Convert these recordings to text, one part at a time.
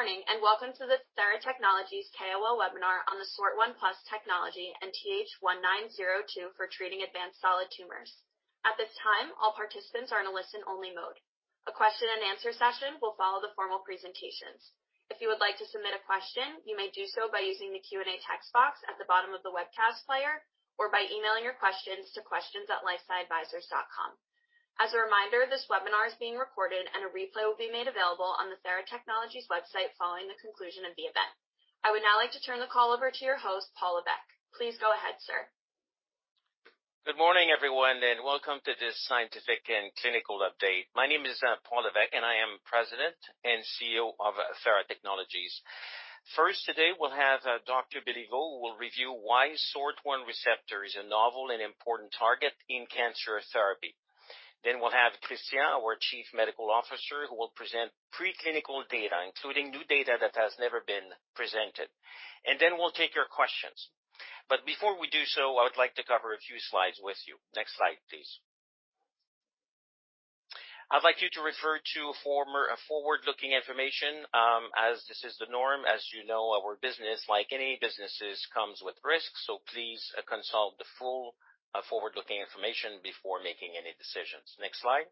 Good morning and welcome to the Theratechnologies KOL webinar on the SORT1+ Technology and TH1902 for treating advanced solid tumors. At this time, all participants are in a listen-only mode. A question and answer session will follow the formal presentations. If you would like to submit a question, you may do so by using the Q&A text box at the bottom of the webcast player, or by emailing your questions to questions@lifesciadvisors.com. As a reminder, this webinar is being recorded and a replay will be made available on the Theratechnologies website following the conclusion of the event. I would now like to turn the call over to your host, Paul Lévesque. Please go ahead, sir. Good morning, everyone, and welcome to this scientific and clinical update. My name is Paul Lévesque, and I am President and CEO of Theratechnologies. First, today, we'll have Dr. Béliveau, who will review why SORT1 receptor is a novel and important target in cancer therapy, then we'll have Christian, our Chief Medical Officer, who will present preclinical data, including new data that has never been presented, and then we'll take your questions. Before we do so, I would like to cover a few slides with you. Next slide, please. I'd like you to refer to forward-looking information, as this is the norm. As you know, our business, like any businesses, comes with risks, so please consult the full forward-looking information before making any decisions. Next slide.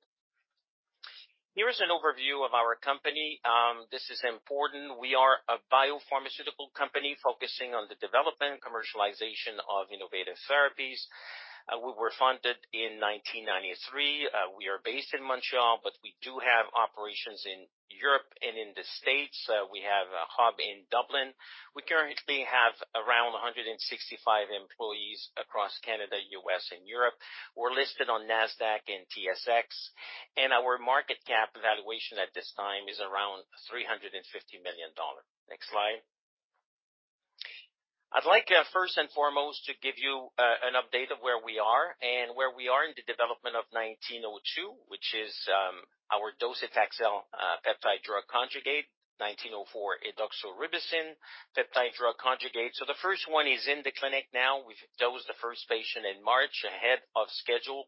Here is an overview of our company. This is important. We are a biopharmaceutical company focusing on the development, commercialization of innovative therapies. We were founded in 1993. We are based in Montreal, but we do have operations in Europe, and in the states. We have a hub in Dublin. We currently have around 165 employees across Canada, U.S., and Europe. We're listed on Nasdaq and TSX, and our market cap valuation at this time is around 350 million dollar. Next slide. I'd like first and foremost to give you an update of where we are and where we are in the development of 1902, which is our docetaxel peptide-drug conjugate, 1904, doxorubicin peptide-drug conjugate. The first one is in the clinic now. We've dosed the first patient in March ahead of schedule.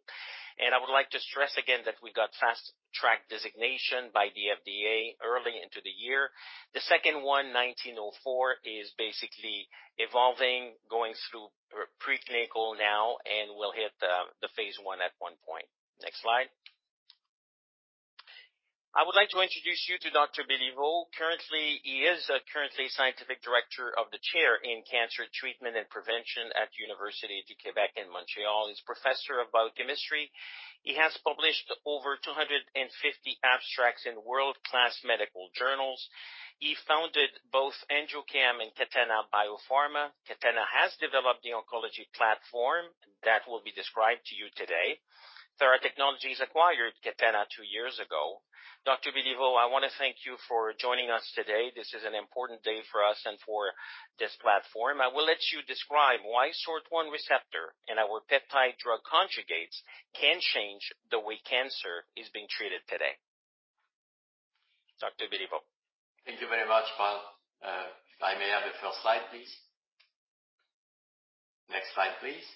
I would like to stress again that we got Fast Track designation by the FDA early into the year. The second one, 1904, is basically evolving, going through preclinical now, and we'll hit the phase I at one point. Next slide. I would like to introduce you to Dr. Béliveau. Currently, he is Scientific Director of the Chair in cancer treatment and prevention at Université du Québec in Montréal. He is Professor of Biochemistry. He has published over 250 abstracts in world-class medical journals. He founded both Andiochem and Katana Biopharma. Katana has developed the oncology platform that will be described to you today. Theratechnologies acquired Katana two years ago. Dr. Béliveau, I want to thank you for joining us today. This is an important day for us and for this platform. I will let you describe why SORT-1 receptor and our peptide-drug conjugates can change the way cancer is being treated today. Dr. Béliveau. Thank you very much, Paul. If I may have the first slide, please. Next slide, please.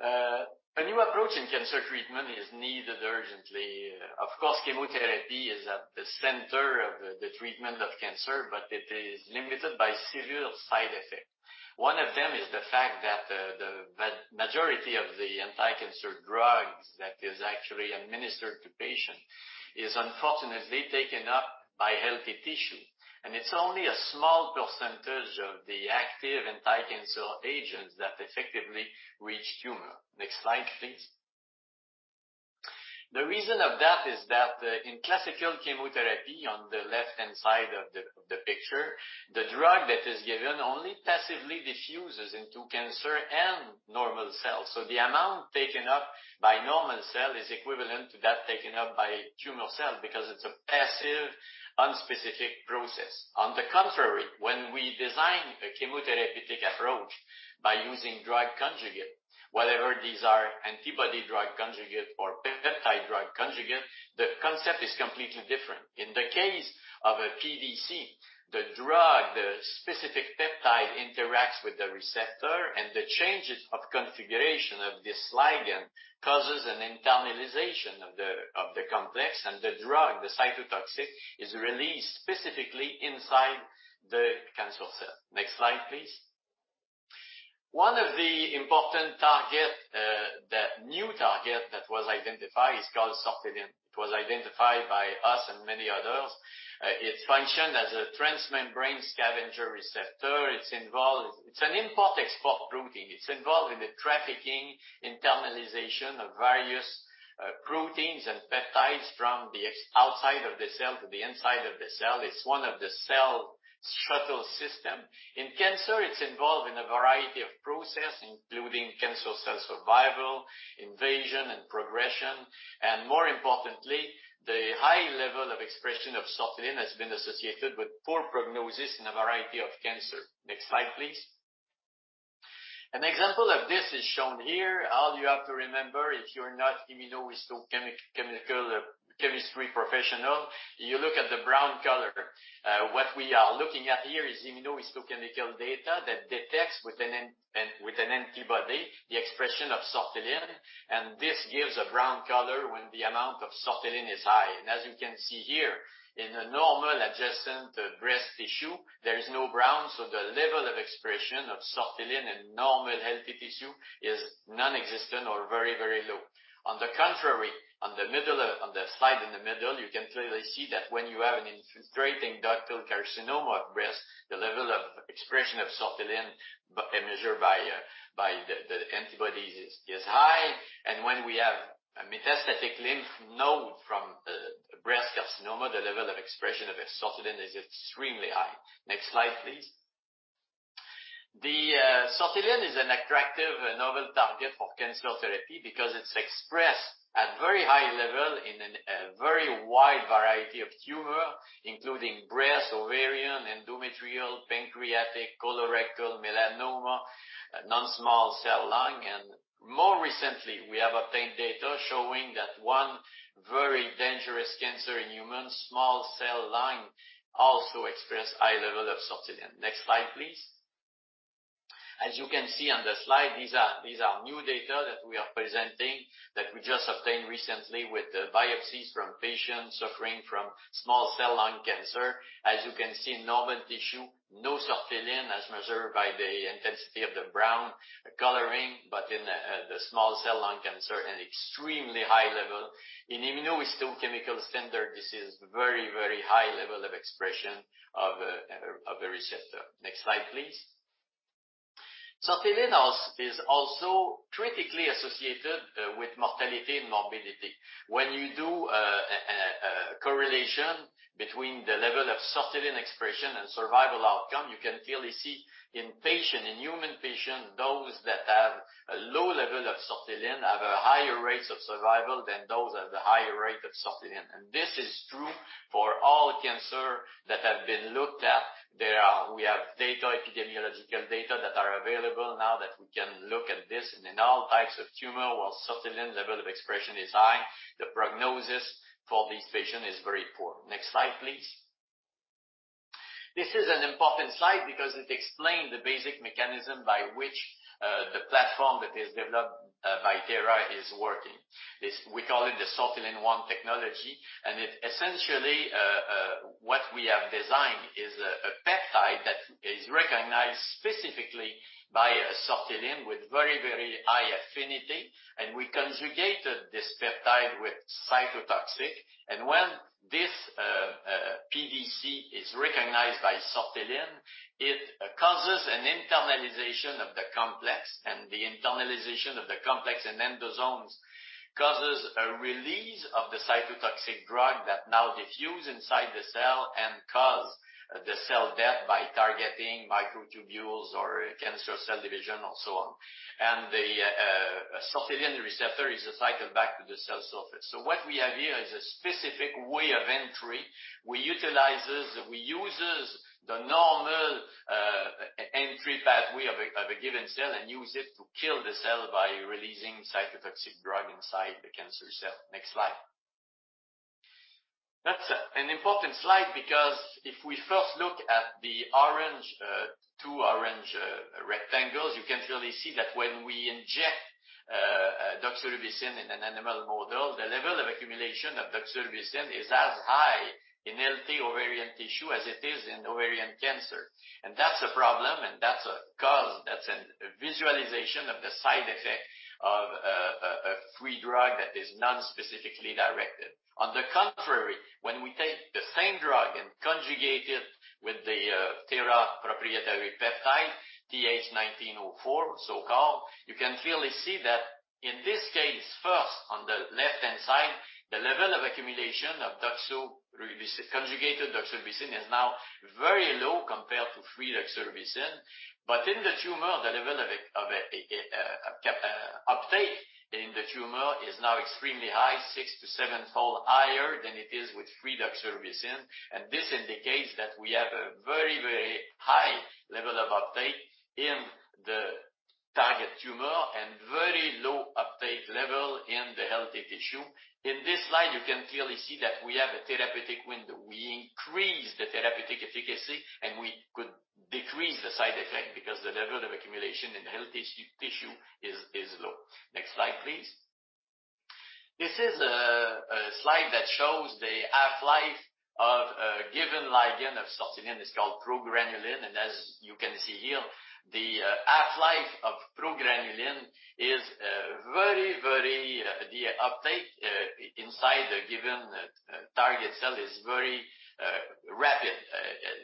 A new approach in cancer treatment is needed urgently. Of course, chemotherapy is at the center of the treatment of cancer, but it is limited by severe side effects. One of them is the fact that the majority of the anti-cancer drugs that is actually administered to patient is, unfortunately, taken up by healthy tissue. It's only a small percentage of the active anti-cancer agents that effectively reach tumor. Next slide, please. The reason of that is that in classical chemotherapy on the left-hand side of the picture, the drug that is given only passively diffuses into cancer and normal cells. The amount taken up by normal cell is equivalent to that taken up by tumor cells because it's a passive, unspecific process. On the contrary, when we design a chemotherapeutic approach by using drug conjugate, whether these are antibody drug conjugate or peptide drug conjugate, the concept is completely different. In the case of a PDC, the drug, the specific peptide interacts with the receptor, and the changes of configuration of this ligand causes an internalization of the complex and the drug, the cytotoxic, is released specifically inside the cancer cell. Next slide, please. One of the important target, that new target that was identified is called sortilin. It was identified by us and many others. It functions as a transmembrane scavenger receptor. It's an import-export protein. It's involved in the trafficking, internalization of various proteins, and peptides from the outside of the cell to the inside of the cell. It's one of the cell shuttle system. In cancer, it's involved in a variety of processes, including cancer cell survival, invasion, and progression. More importantly, the high level of expression of sortilin has been associated with poor prognosis in a variety of cancers. Next slide, please. An example of this is shown here. All you have to remember if you're not immunohistochemical chemistry professional, you look at the brown color. What we are looking at here is immunohistochemical data that detects with an antibody the expression of sortilin, and this gives a brown color when the amount of sortilin is high. As you can see here, in a normal adjacent breast tissue, there is no brown, so the level of expression of sortilin in normal healthy tissue is nonexistent or very, very low. On the contrary, on the slide in the middle, you can clearly see that when you have an infiltrating ductal carcinoma of breast, the level of expression of sortilin by a measure by the antibodies is high. When we have a metastatic lymph node from a breast carcinoma, the level of expression of sortilin is extremely high. Next slide, please. The sortilin is an attractive novel target for cancer therapy because it's expressed at very high level in a very wide variety of tumor, including breast, ovarian, endometrial, pancreatic, colorectal, melanoma, non-small cell lung, and more recently, we have obtained data showing that one very dangerous cancer in humans, small cell lung, also express high level of sortilin. Next slide, please. You can see on the slide, these are new data that we are presenting that we just obtained recently with the biopsies from patients suffering from small cell lung cancer. You can see, normal tissue, no sortilin as measured by the intensity of the brown coloring, but in the small cell lung cancer, an extremely high level. In immunohistochemical standard, this is very high level of expression of the receptor. Next slide, please. Sortilin is also critically associated with mortality and morbidity. When you do a correlation between the level of sortilin expression and survival outcome, you can clearly see in patient, in human patient, those that have a low level of sortilin have a higher rates of survival than those at the higher rate of sortilin. This is true for all cancer that have been looked at. We have data, epidemiological data that are available now that we can look at this in all types of tumor where sortilin level of expression is high, the prognosis for these patients is very poor. Next slide, please. This is an important slide because it explains the basic mechanism by which the platform that is developed by Thera is working. We call it the SORT1 technology, and it essentially what we have designed is a peptide that is recognized specifically by a sortilin with very high affinity, and we conjugated this peptide with cytotoxic. When this PDC is recognized by sortilin, it causes an internalization of the complex, and the internalization of the complex in endosomes causes a release of the cytotoxic drug that now diffuse inside the cell, and cause the cell death by targeting microtubules or cancer cell division or so on. The sortilin receptor is cycled back to the cell surface. What we have here is a specific way of entry. We uses the normal entry pathway of a given cell and use it to kill the cell by releasing cytotoxic drug inside the cancer cell. Next slide. That's an important slide because if we first look at the orange, two orange rectangles, you can clearly see that when we inject doxorubicin in an animal model, the level of accumulation of doxorubicin is as high in healthy ovarian tissue as it is in ovarian cancer, and that's a problem, and that's a cause. That's an visualization of the side effect of a free drug that is non-specifically directed. On the contrary, when we take the same drug and conjugate it with the Thera proprietary peptide, TH1904, so-called, you can clearly see that in this case, first, on the left-hand side, the level of accumulation of conjugated doxorubicin is now very low compared to free doxorubicin. In the tumor, the level of uptake in the tumor is now extremely high, 6x to 7x higher than it is with free doxorubicin. This indicates that we have a very high level of uptake in the target tumor and very low uptake level in the healthy tissue. In this slide, you can clearly see that we have a therapeutic window. We increase the therapeutic efficacy and we could decrease the side effect because the level of accumulation in healthy tissue is low. Next slide, please. This is a slide that shows the half-life of a given ligand of sortilin. It's called progranulin, and as you can see here, the half-time of progranulin is very, very rapid uptake, inside a given target cell is very rapid.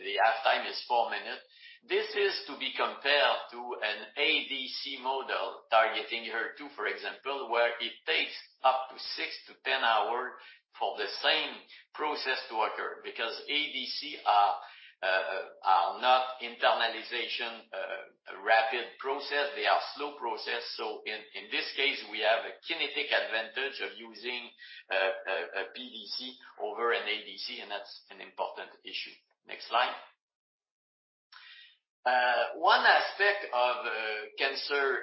The half-time is four minutes. This is to be compared to an ADC model targeting HER2, for example, where it takes up to 6 hours to 10 hours for the same process to occur because ADC are not internalization rapid process. They are slow process, so in this case, we have a kinetic advantage of using a PDC over an ADC, and that's an important issue. Next slide. One aspect of cancer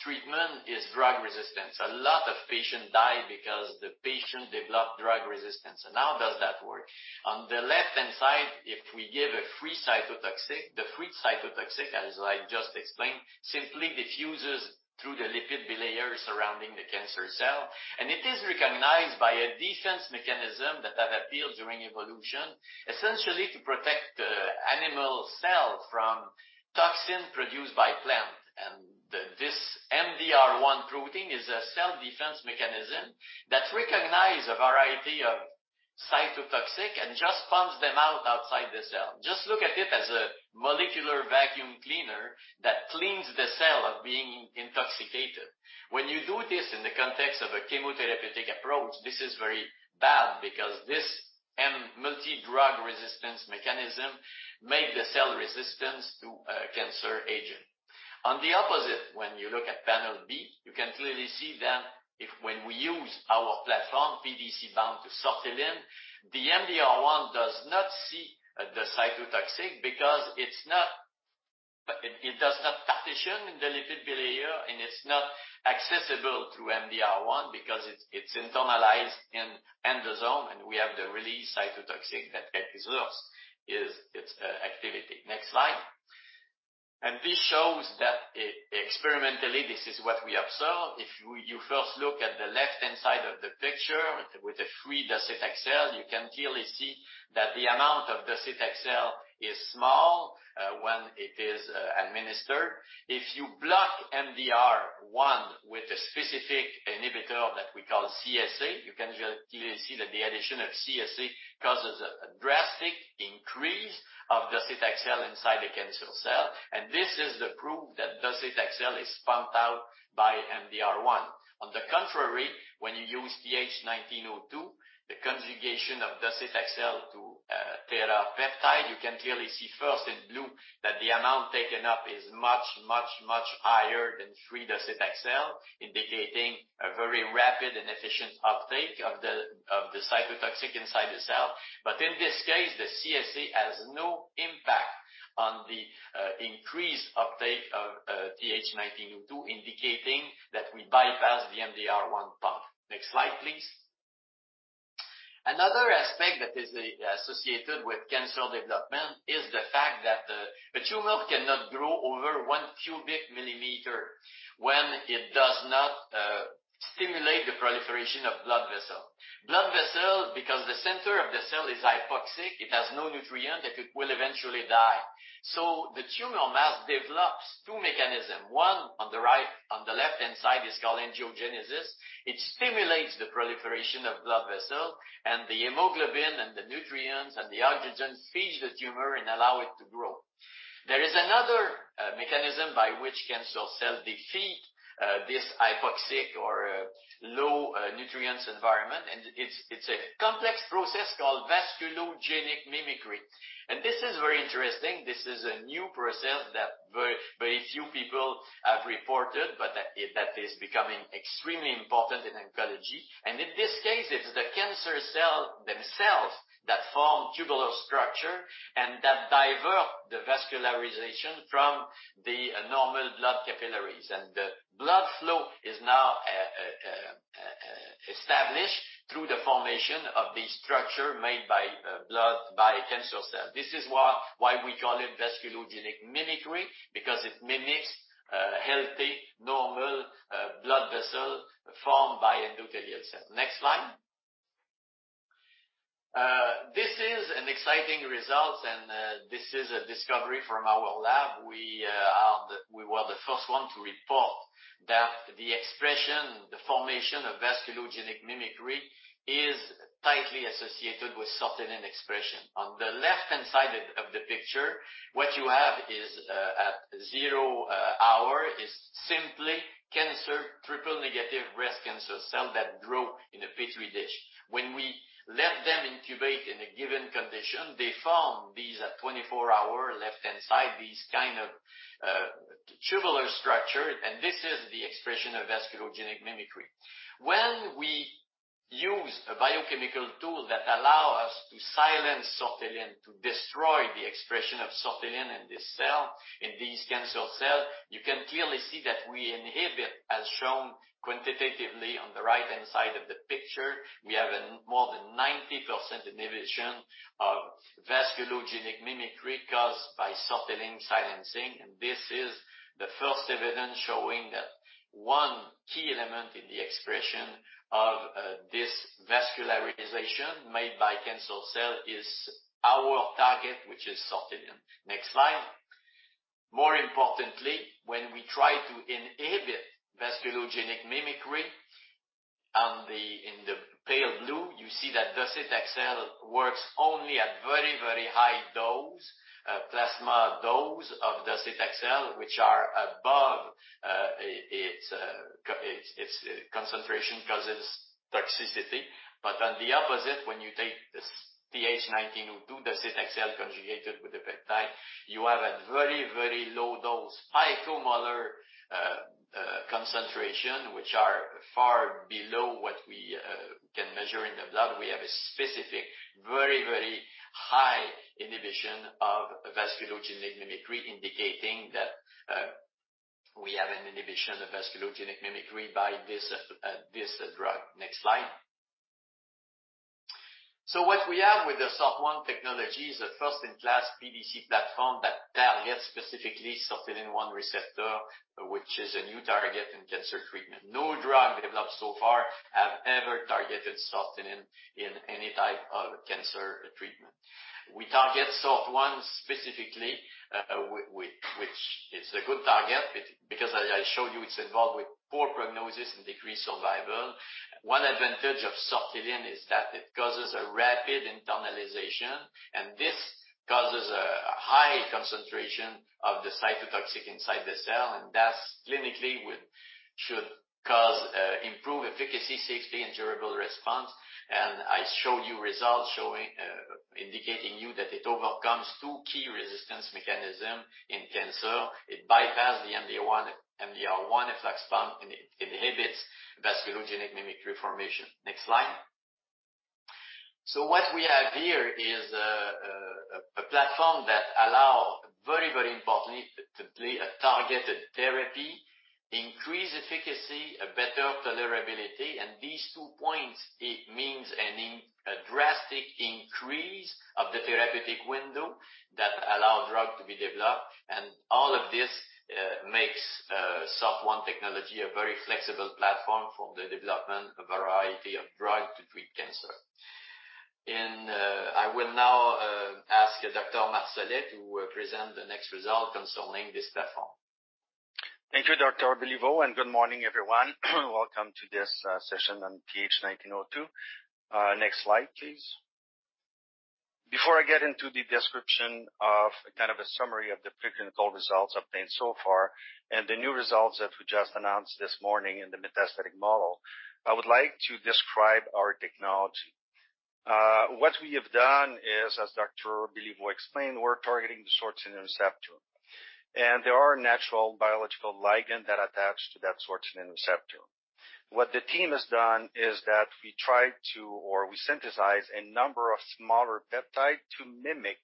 treatment is drug resistance. A lot of patients die because the patient develop drug resistance. How does that work? On the left-hand side, if we give a free cytotoxic, the free cytotoxic, as I just explained, simply diffuses through the lipid bilayer surrounding the cancer cell, and it is recognized by a defense mechanism that have appeared during evolution, essentially to protect animal cell from toxin produced by plant. This MDR1 protein is a cell defense mechanism that recognize a variety of cytotoxic and just pumps them out outside the cell. Just look at it as a molecular vacuum cleaner that cleans the cell of being intoxicated. When you do this in the context of a chemotherapeutic approach, this is very bad because this multi-drug resistance mechanism make the cell resistance to a cancer agent. On the opposite, when you look at panel B, you can clearly see that if when we use our platform, PDC bound to sortilin, the MDR1 does not see the cytotoxic, because it does not partition in the lipid bilayer, and it's not accessible to MDR1 because it's internalized in endosome, and we have the release cytotoxic that preserves its activity. Next slide. This shows that experimentally, this is what we observe. If you first look at the left-hand side of the picture with the free docetaxel, you can clearly see that the amount of docetaxel is small when it is administered. If you block MDR1 with a specific inhibitor that we call CSA, you can clearly see that the addition of CSA causes a drastic increase of docetaxel inside the cancer cell. This is the proof that docetaxel is pumped out by MDR1. On the contrary, when you use TH1902, the conjugation of docetaxel to a Thera peptide, you can clearly see first in blue that the amount taken up is much, much, much higher than free docetaxel, indicating a very rapid and efficient uptake of the cytotoxic inside the cell. In this case, the CSA has no impact on the increased uptake of TH1902, indicating that we bypass the MDR1 pump. Next slide, please. Another aspect that is associated with cancer development is the fact that the tumor cannot grow over 1 cu mm when it does not stimulate the proliferation of blood vessel. Blood vessel, because the center of the cell is hypoxic, it has no nutrient, it will eventually die. The tumor mass develops two mechanisms. One, on the left-hand side is called angiogenesis. It stimulates the proliferation of blood vessel, and the hemoglobin, and the nutrients, and the oxygen feeds the tumor and allow it to grow. There is another mechanism by which cancer cell defeat this hypoxic or low nutrients environment, and it's a complex process called vasculogenic mimicry. This is very interesting. This is a new process that very, very few people have reported, but that is becoming extremely important in oncology. In this case, it's the cancer cells themselves that form tubular structures and that divert the vascularization from the normal blood capillaries. The blood flow is now established through the formation of a structure made by cancer cells. This is why we call it vasculogenic mimicry, because it mimics a healthy, normal blood vessels formed by endothelial cells. Next slide. This is an exciting result. This is a discovery from our lab. We were the first one to report that the expression, the formation of vasculogenic mimicry is tightly associated with sortilin expression. On the left-hand side of the picture, what you have is, at zero hour, is simply Triple-Negative Breast Cancer cells that grow in a Petri dish. When we let them incubate in a given condition, they form these at 24-hour left-hand side, these kind of tubular structure, and this is the expression of vasculogenic mimicry. When we use a biochemical tool that allow us to silence sortilin to destroy the expression of sortilin in this cell, in these cancer cell, you can clearly see that we inhibit, as shown quantitatively on the right-hand side of the picture, we have a more than 90% inhibition of vasculogenic mimicry caused by sortilin silencing. This is the first evidence showing that one key element in the expression of this vascularization made by cancer cell is our target, which is sortilin. Next slide. More importantly, when we try to inhibit vasculogenic mimicry on the, in the pale blue, you see that docetaxel works only at very, very high dose, a plasma dose of docetaxel, which are above its concentration causes toxicity. On the opposite, when you take this TH1902 docetaxel conjugated with the peptide, you have at very, very low dose, picomolar concentration, which are far below what we can measure in the blood. We have a specific very, very high inhibition of vasculogenic mimicry, indicating that we have an inhibition of vasculogenic mimicry by this drug. Next slide. What we have with the SORT1 technology is a first-in-class PDC platform that targets specifically SORT1 receptor, which is a new target in cancer treatment. No drug developed so far have ever targeted sortilin in any type of cancer treatment. We target SORT1 specifically, which is a good target, because as I showed you it's involved with poor prognosis and decreased survival. One advantage of sortilin is that it causes a rapid internalization, and this causes a high concentration of the cytotoxic inside the cell, and that clinically should cause improved efficacy, safety, and durable response. I showed you results showing, indicating you that it overcomes two key resistance mechanism in cancer. It bypass the MDR1 efflux pump and it inhibits vasculogenic mimicry formation. Next slide. What we have here is a platform that allow, very, very importantly, to build a targeted therapy, increased efficacy, a better tolerability. These two points, it means a drastic increase of the therapeutic window that allow drug to be developed. All of this makes SORT1 technology a very flexible platform for the development of a variety of drug to treat cancer. I will now ask Dr. Marsolais to present the next result concerning this platform. Thank you, Dr. Béliveau, and good morning, everyone. Welcome to this session on TH1902. Next slide, please. Before I get into the description of kind of a summary of the preclinical results obtained so far, and the new results that we just announced this morning in the metastatic model, I would like to describe our technology. What we have done is, as Dr. Béliveau explained, we're targeting the sortilin receptor. There are natural biological ligand that attach to that sortilin receptor. What the team has done is that we tried to, or we synthesized a number of smaller peptide to mimic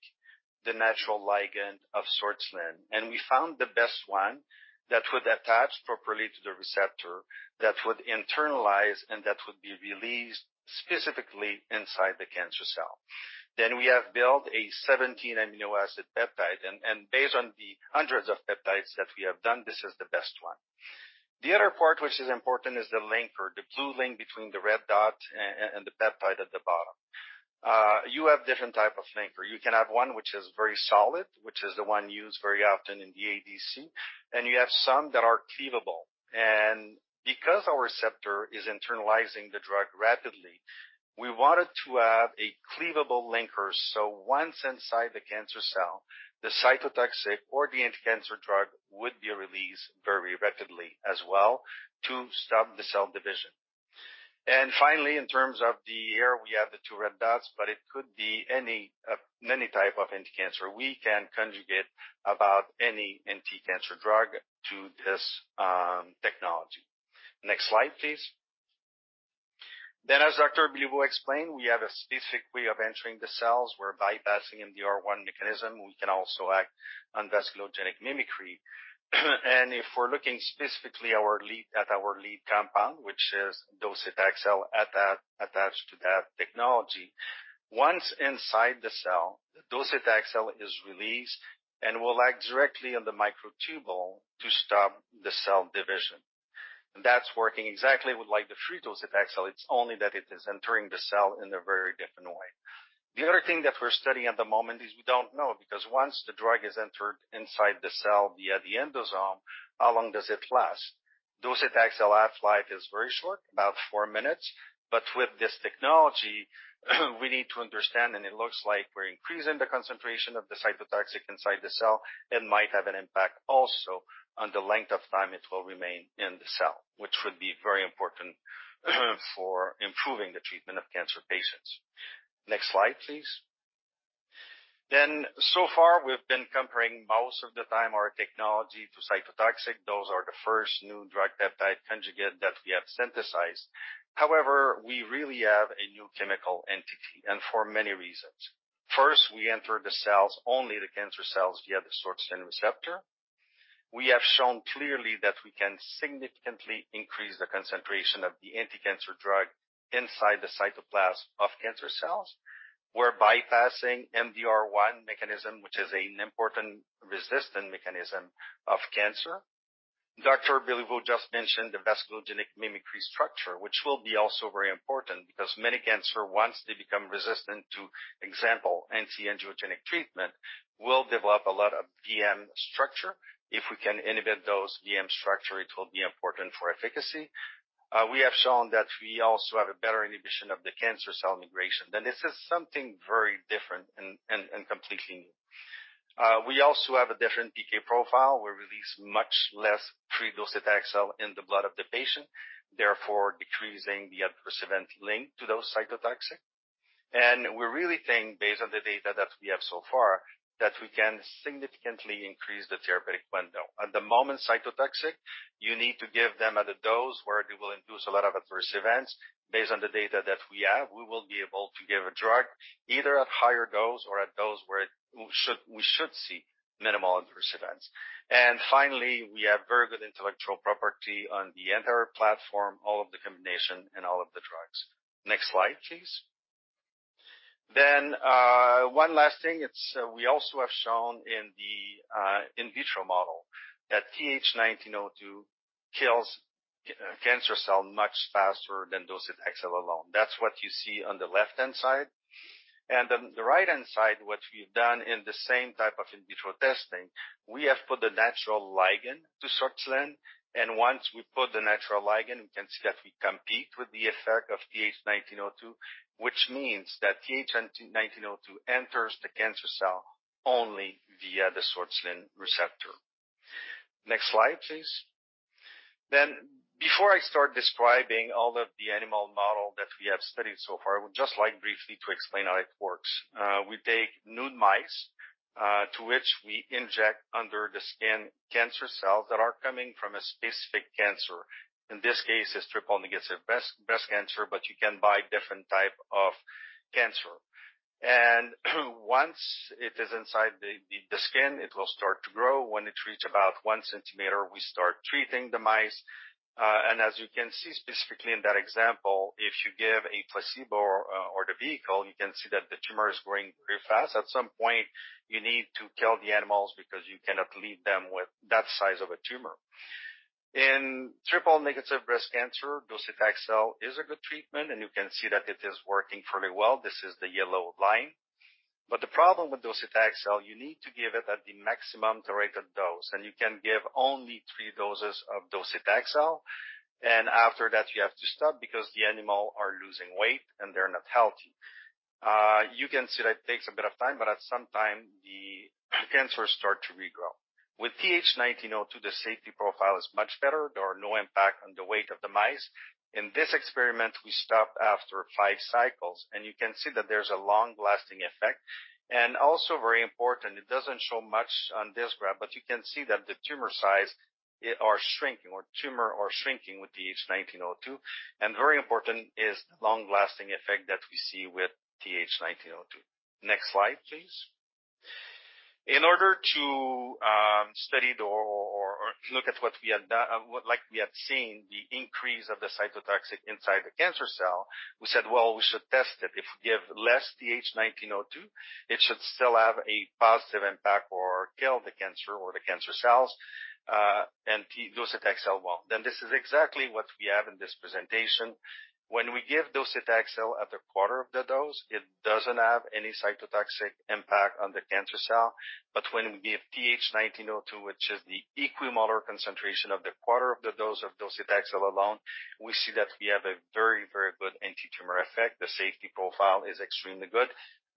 the natural ligand of sortilin, and we found the best one that would attach properly to the receptor, that would internalize, and that would be released specifically inside the cancer cell. We have built a 17 amino acid peptide, and based on the hundreds of peptides that we have done, this is the best one. The other part which is important is the linker, the blue link between the red dot and the peptide at the bottom. You have different type of linker. You can have one which is very solid, which is the one used very often in the ADC, and you have some that are cleavable. Because our receptor is internalizing the drug rapidly, we wanted to have a cleavable linker, so once inside the cancer cell, the cytotoxic or the anti-cancer drug would be released very rapidly as well to stop the cell division. Finally, in terms of, here we have the two red dots, but it could be any type of anti-cancer. We can conjugate about any anti-cancer drug to this technology. Next slide, please. As Dr. Béliveau explained, we have a specific way of entering the cells. We're bypassing MDR1 mechanism. We can also act on vasculogenic mimicry. If we're looking specifically at our lead compound, which is docetaxel attached to that technology. Once inside the cell, the docetaxel is released, and will act directly on the microtubule to stop the cell division. That's working exactly with like the free docetaxel. It's only that it is entering the cell in a very different way. The other thing that we're studying at the moment is we don't know because once the drug is entered inside the cell via the endosome, how long does it last? Docetaxel half-life is very short, about four minutes. With this technology, we need to understand, and it looks like we're increasing the concentration of the cytotoxic inside the cell. It might have an impact also on the length of time it will remain in the cell, which would be very important for improving the treatment of cancer patients. Next slide, please. So far we've been comparing most of the time our technology to cytotoxic. Those are the first new drug peptide conjugate that we have synthesized. We really have a new chemical entity and for many reasons. First, we enter the cells, only the cancer cells, via the sortilin receptor. We have shown clearly that we can significantly increase the concentration of the anti-cancer drug inside the cytoplasm of cancer cells. We're bypassing MDR1 mechanism, which is an important resistant mechanism of cancer. Dr. Béliveau just mentioned the vasculogenic mimicry structure, which will be also very important because many cancer, once they become resistant to, example, anti-angiogenic treatment, will develop a lot of VM structure. If we can inhibit those VM structure, it will be important for efficacy. We have shown that we also have a better inhibition of the cancer cell migration. This is something very different and completely new. We also have a different PK profile. We release much less free docetaxel in the blood of the patient, therefore decreasing the adverse event linked to those cytotoxic. We really think based on the data that we have so far that we can significantly increase the therapeutic window. At the moment, cytotoxic, you need to give them at a dose where it will induce a lot of adverse events. Based on the data that we have, we will be able to give a drug either at higher dose or at dose where we should see minimal adverse events. Finally, we have very good intellectual property on the entire platform, all of the combination, and all of the drugs. Next slide, please. One last thing, it's, we also have shown in the in vitro model that TH1902 kills cancer cell much faster than docetaxel alone. That's what you see on the left-hand side. On the right-hand side, what we have done in the same type of in vitro testing, we have put a natural ligand to sortilin. Once we put the natural ligand, we can see that we compete with the effect of TH1902, which means that TH1902 enters the cancer cell only via the sortilin receptor. Next slide, please. Before I start describing all of the animal model that we have studied so far, I would just like briefly to explain how it works. We take nude mice to which we inject under the skin cancer cells that are coming from a specific cancer. In this case, a triple-negative breast cancer, but you can buy different type of cancer. Once it is inside the, the skin, it will start to grow, when it reach about 1 cm, we start treating the mice. As you can see specifically in that example, if you give a placebo or the vehicle, you can see that the tumor is growing very fast. At some point, you need to kill the animals, because you cannot leave them with that size of a tumor. In triple-negative breast cancer, docetaxel is a good treatment, you can see that it is working fairly well. This is the yellow line. The problem with docetaxel, you need to give it at the maximum tolerated dose, and you can give only three doses of docetaxel. After that, you have to stop because the animal are losing weight, and they're not healthy. You can see that it takes a bit of time, at some time the cancer start to regrow. With TH1902, the safety profile is much better. There are no impact on the weight of the mice. In this experiment, we stopped after five cycles, and you can see that there's a long-lasting effect. Also very important, it doesn't show much on this graph, but you can see that the tumor size are shrinking or tumor are shrinking with TH1902, and very important is long-lasting effect that we see with TH1902. Next slide, please. In order to study the or look at what we had done, what like we had seen, the increase of the cytotoxic inside the cancer cell, we said, "Well, we should test it. If we give less TH1902, it should still have a positive impact or kill the cancer or the cancer cells, and docetaxel well." This is exactly what we have in this presentation. When we give docetaxel at a quarter of the dose, it doesn't have any cytotoxic impact on the cancer cell. When we give TH1902, which is the equimolar concentration of the quarter of the dose of docetaxel alone, we see that we have a very, very good antitumor effect. The safety profile is extremely good.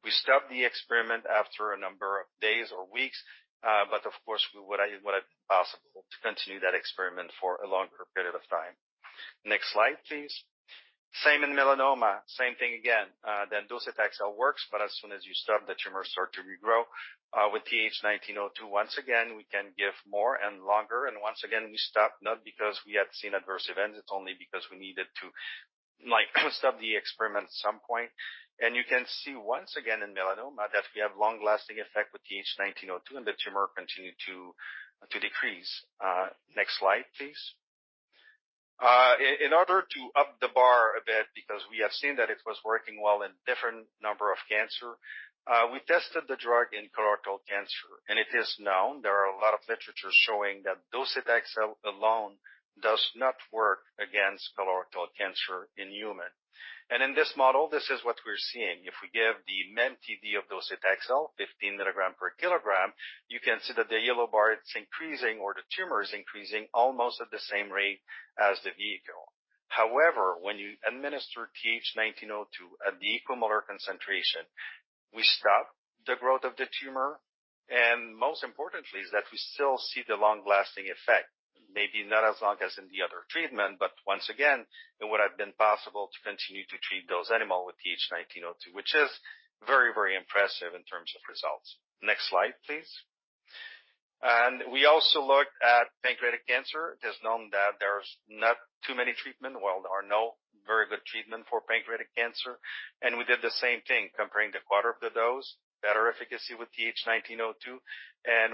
We stop the experiment after a number of days or weeks but, of course, it would have been possible to continue that experiment for a longer period of time. Next slide, please. Same in melanoma, same thing again, docetaxel works, but as soon as you stop, the tumors start to regrow. With TH1902, once again, we can give more and longer. Once again, we stop not because we had seen adverse events. It's only because we needed to, like, stop the experiment at some point. You can see once again in melanoma that we have long-lasting effect with TH1902 and the tumor continue to decrease. Next slide, please. In order to up the bar a bit because we have seen that it was working well in different number of cancer, we tested the drug in colorectal cancer. It is known, there are a lot of literature showing that docetaxel alone does not work against colorectal cancer in human. In this model, this is what we're seeing. If we give the MTD of docetaxel, 15 mg/kg, you can see that the yellow bar, it's increasing or the tumor is increasing almost at the same rate as the vehicle. However, when you administer TH1902 at the equimolar concentration, we stop the growth of the tumor, and most importantly is that we still see the long-lasting effect. Maybe not as long as in the other treatment, but once again, it would have been possible to continue to treat those animal with TH1902, which is very, very impressive in terms of results. Next slide, please. We also looked at pancreatic cancer. It is known that there's not too many treatment. Well, there are no very good treatment for pancreatic cancer, and we did the same thing, comparing the quarter of the dose, better efficacy with TH1902.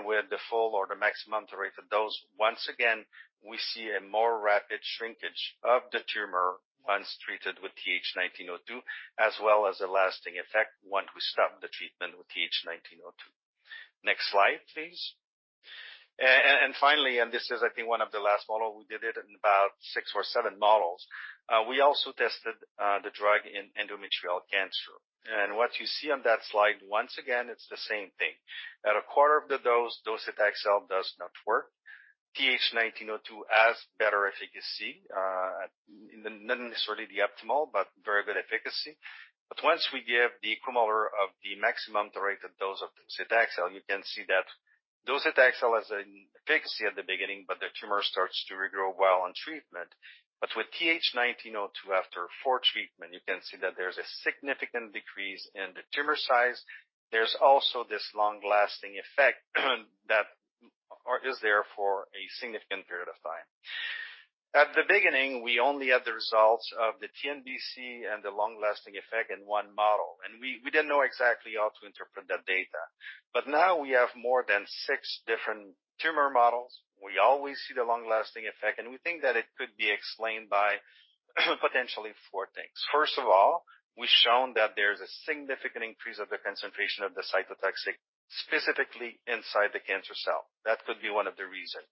With the full or the maximum tolerated dose, once again, we see a more rapid shrinkage of the tumor once treated with TH1902, as well as a lasting effect once we stop the treatment with TH1902. Next slide, please. Finally, and this is, I think, one of the last models, we did it in about 6 models or 7 models, and we also tested the drug in endometrial cancer. What you see on that slide, once again, it's the same thing. At a quarter of the dose, docetaxel does not work. TH1902 has better efficacy, not necessarily the optimal, but very good efficacy. Once we give the equimolar of the maximum tolerated dose of docetaxel, you can see that docetaxel has an efficacy at the beginning, but the tumor starts to regrow while on treatment. With TH1902, after four treatment, you can see that there's a significant decrease in the tumor size. There's also this long-lasting effect that is there for a significant period of time. At the beginning, we only had the results of the TNBC and the long-lasting effect in one model, and we didn't know exactly how to interpret that data. Now we have more than six different tumor models. We always see the long-lasting effect and we think that it could be explained by potentially four things. First of all, we've shown that there's a significant increase of the concentration of the cytotoxic specifically inside the cancer cell. That could be one of the reason.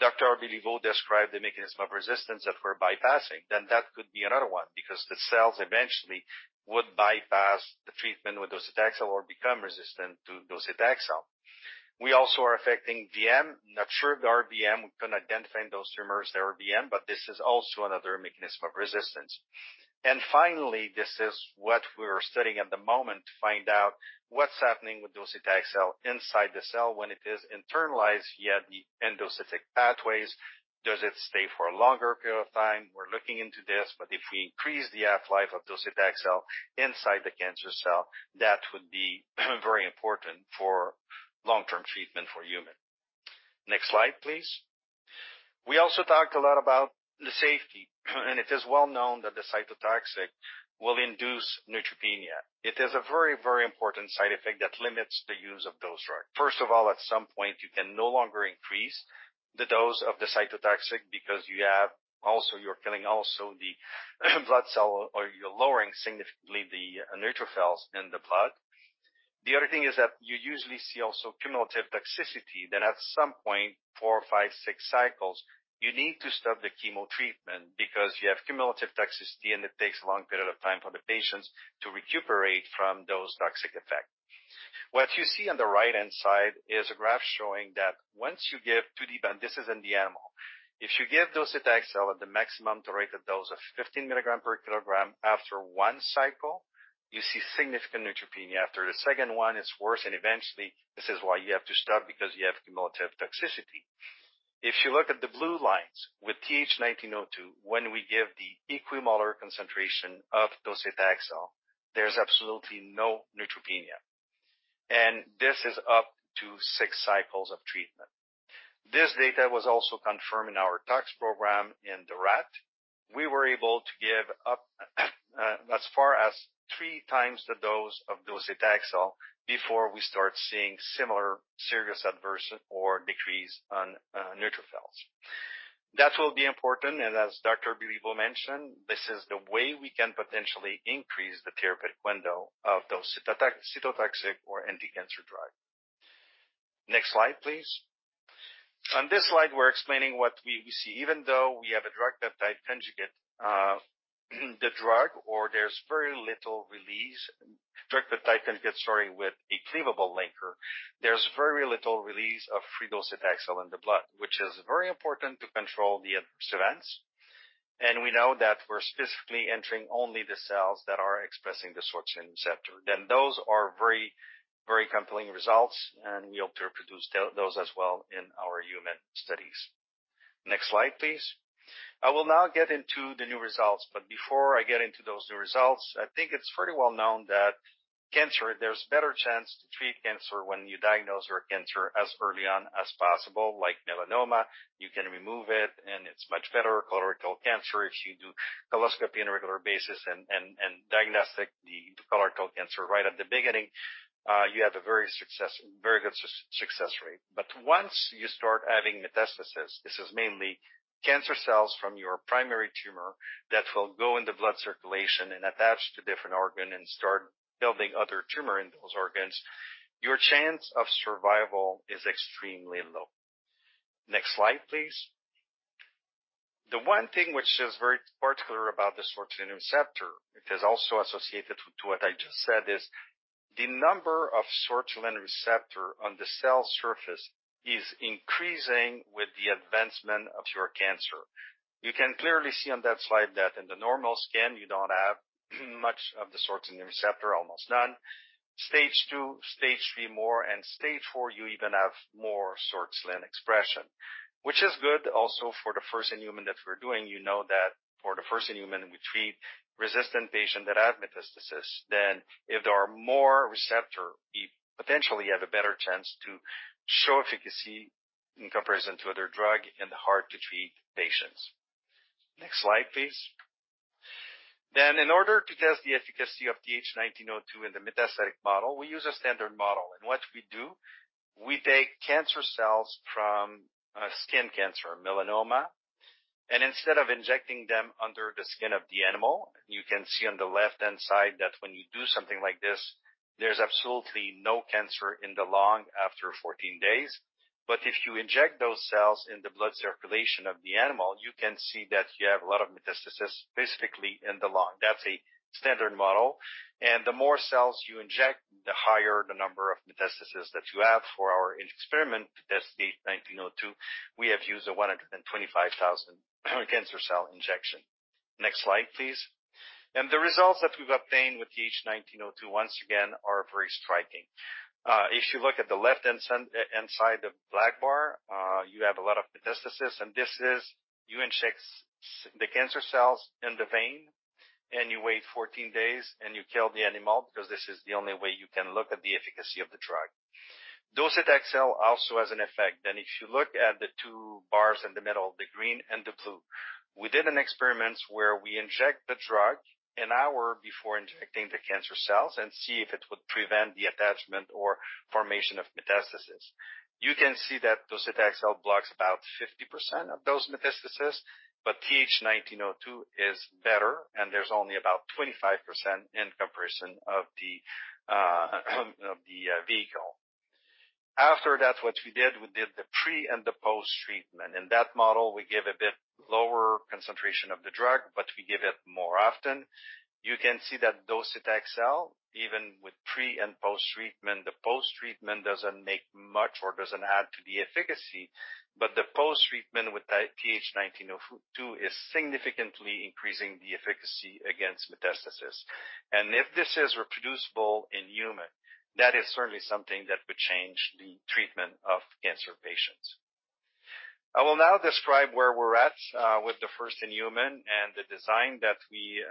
Dr. Béliveau described the mechanism of resistance that we're bypassing, then that could be another one because the cells eventually would bypass the treatment with docetaxel or become resistant to docetaxel. We also are affecting VM. Not sure the RBM. We couldn't identify in those tumors the RBM but this is also another mechanism of resistance. Finally, this is what we're studying at the moment to find out what's happening with docetaxel inside the cell when it is internalized via the endocytic pathways. Does it stay for a longer period of time? We're looking into this, but if we increase the half-life of docetaxel inside the cancer cell, that would be very important for long-term treatment for human. Next slide, please. We also talked a lot about the safety and it is well known that the cytotoxic will induce neutropenia. It is a very important side effect that limits the use of those drug. First of all, at some point, you can no longer increase the dose of the cytotoxic because you're killing also the blood cell or you're lowering significantly the neutrophils in the blood. The other thing is that you usually see also cumulative toxicity then that at some point, four, five, six cycles, you need to stop the chemo treatment because you have cumulative toxicity, and it takes a long period of time for the patients to recuperate from those toxic effect. What you see on the right-hand side is a graph showing that once you give to the, and this is in the animal. If you give docetaxel at the maximum tolerated dose of 15 mg/kg after one cycle, you see significant neutropenia. After the second one, it's worse, and eventually, this is why you have to stop because you have cumulative toxicity. If you look at the blue lines with TH1902, when we give the equimolar concentration of docetaxel, there's absolutely no neutropenia, and this is up to six cycles of treatment. This data was also confirmed in our tox program in the rat. We were able to give up and as far as 3x the dose of docetaxel before we start seeing similar serious adverse or decrease on neutrophils. That will be important, and as Dr. Béliveau mentioned, this is the way we can potentially increase the therapeutic window of those cytotoxic or anti-cancer drug. Next slide, please. On this slide, we're explaining what we see, even though we have a drug-peptide conjugate with a cleavable linker, there's very little release of free docetaxel in the blood, which is very important to control the adverse events. We know that we're specifically entering only the cells that are expressing the sortilin receptor. Those are very, very compelling results, and we hope to reproduce those as well in our human studies. Next slide, please. I will now get into the new results, but before I get into those new results, I think it's pretty well known that cancer, there's better chance to treat cancer when you diagnose your cancer as early on as possible. Like melanoma, you can remove it, and it's much better. Colorectal cancer, if you do endoscopy on a regular basis and diagnose the colorectal cancer right at the beginning, you have a very good success rate. Once you start having metastasis, this is mainly cancer cells from your primary tumor that will go in the blood circulation, and attach to different organ, and start building other tumor in those organs, your chance of survival is extremely low. Next slide, please. The one thing which is very particular about the sortilin receptor, it is also associated to what I just said is the number of sortilin receptor on the cell surface is increasing with the advancement of your cancer. You can clearly see on that slide that in the normal skin, you don't have much of the sortilin receptor, almost none. Stage 2, stage 3, more, and stage 4, you even have more sortilin expression, which is good also for the first-in-human that we're doing. You know that for the first-in-human, we treat resistant patient that have metastasis. If there are more receptor, we potentially have a better chance to show efficacy in comparison to other drug in the hard-to-treat patients. Next slide, please. In order to test the efficacy of TH1902 in the metastatic model, we use a standard model. What we do, we take cancer cells from skin cancer, melanoma, and instead of injecting them under the skin of the animal, you can see on the left-hand side that when you do something like this, there's absolutely no cancer in the lung after 14 days. If you inject those cells in the blood circulation of the animal, you can see that you have a lot of metastasis specifically in the lung. That's a standard model. The more cells you inject, the higher the number of metastasis that you have. For our experiment to test TH1902, we have used a 125,000 cancer cell injection. Next slide, please. The results that we've obtained with TH1902, once again, are very striking. If you look at the left-hand side, inside the black bar, you have a lot of metastasis. This is you inject the cancer cells in the vein, and you wait 14 days, and you kill the animal, because this is the only way you can look at the efficacy of the drug. Docetaxel also has an effect, then If you look at the two bars in the middle, the green and the blue, we did an experiments where we inject the drug an hour before injecting the cancer cells and see if it would prevent the attachment or formation of metastasis. You can see that docetaxel blocks about 50% of those metastasis, but TH1902 is better, and there's only about 25% in comparison of the vehicle. After that, what we did, we did the pre- and the post-treatment. In that model, we give a bit lower concentration of the drug, but we give it more often. You can see that docetaxel, even with pre- and post-treatment, the post-treatment doesn't make much or doesn't add to the efficacy. The post-treatment with the TH1902 is significantly increasing the efficacy against metastasis. If this is reproducible in human, that is certainly something that would change the treatment of cancer patients. I will now describe where we're at with the first-in-human and the design that we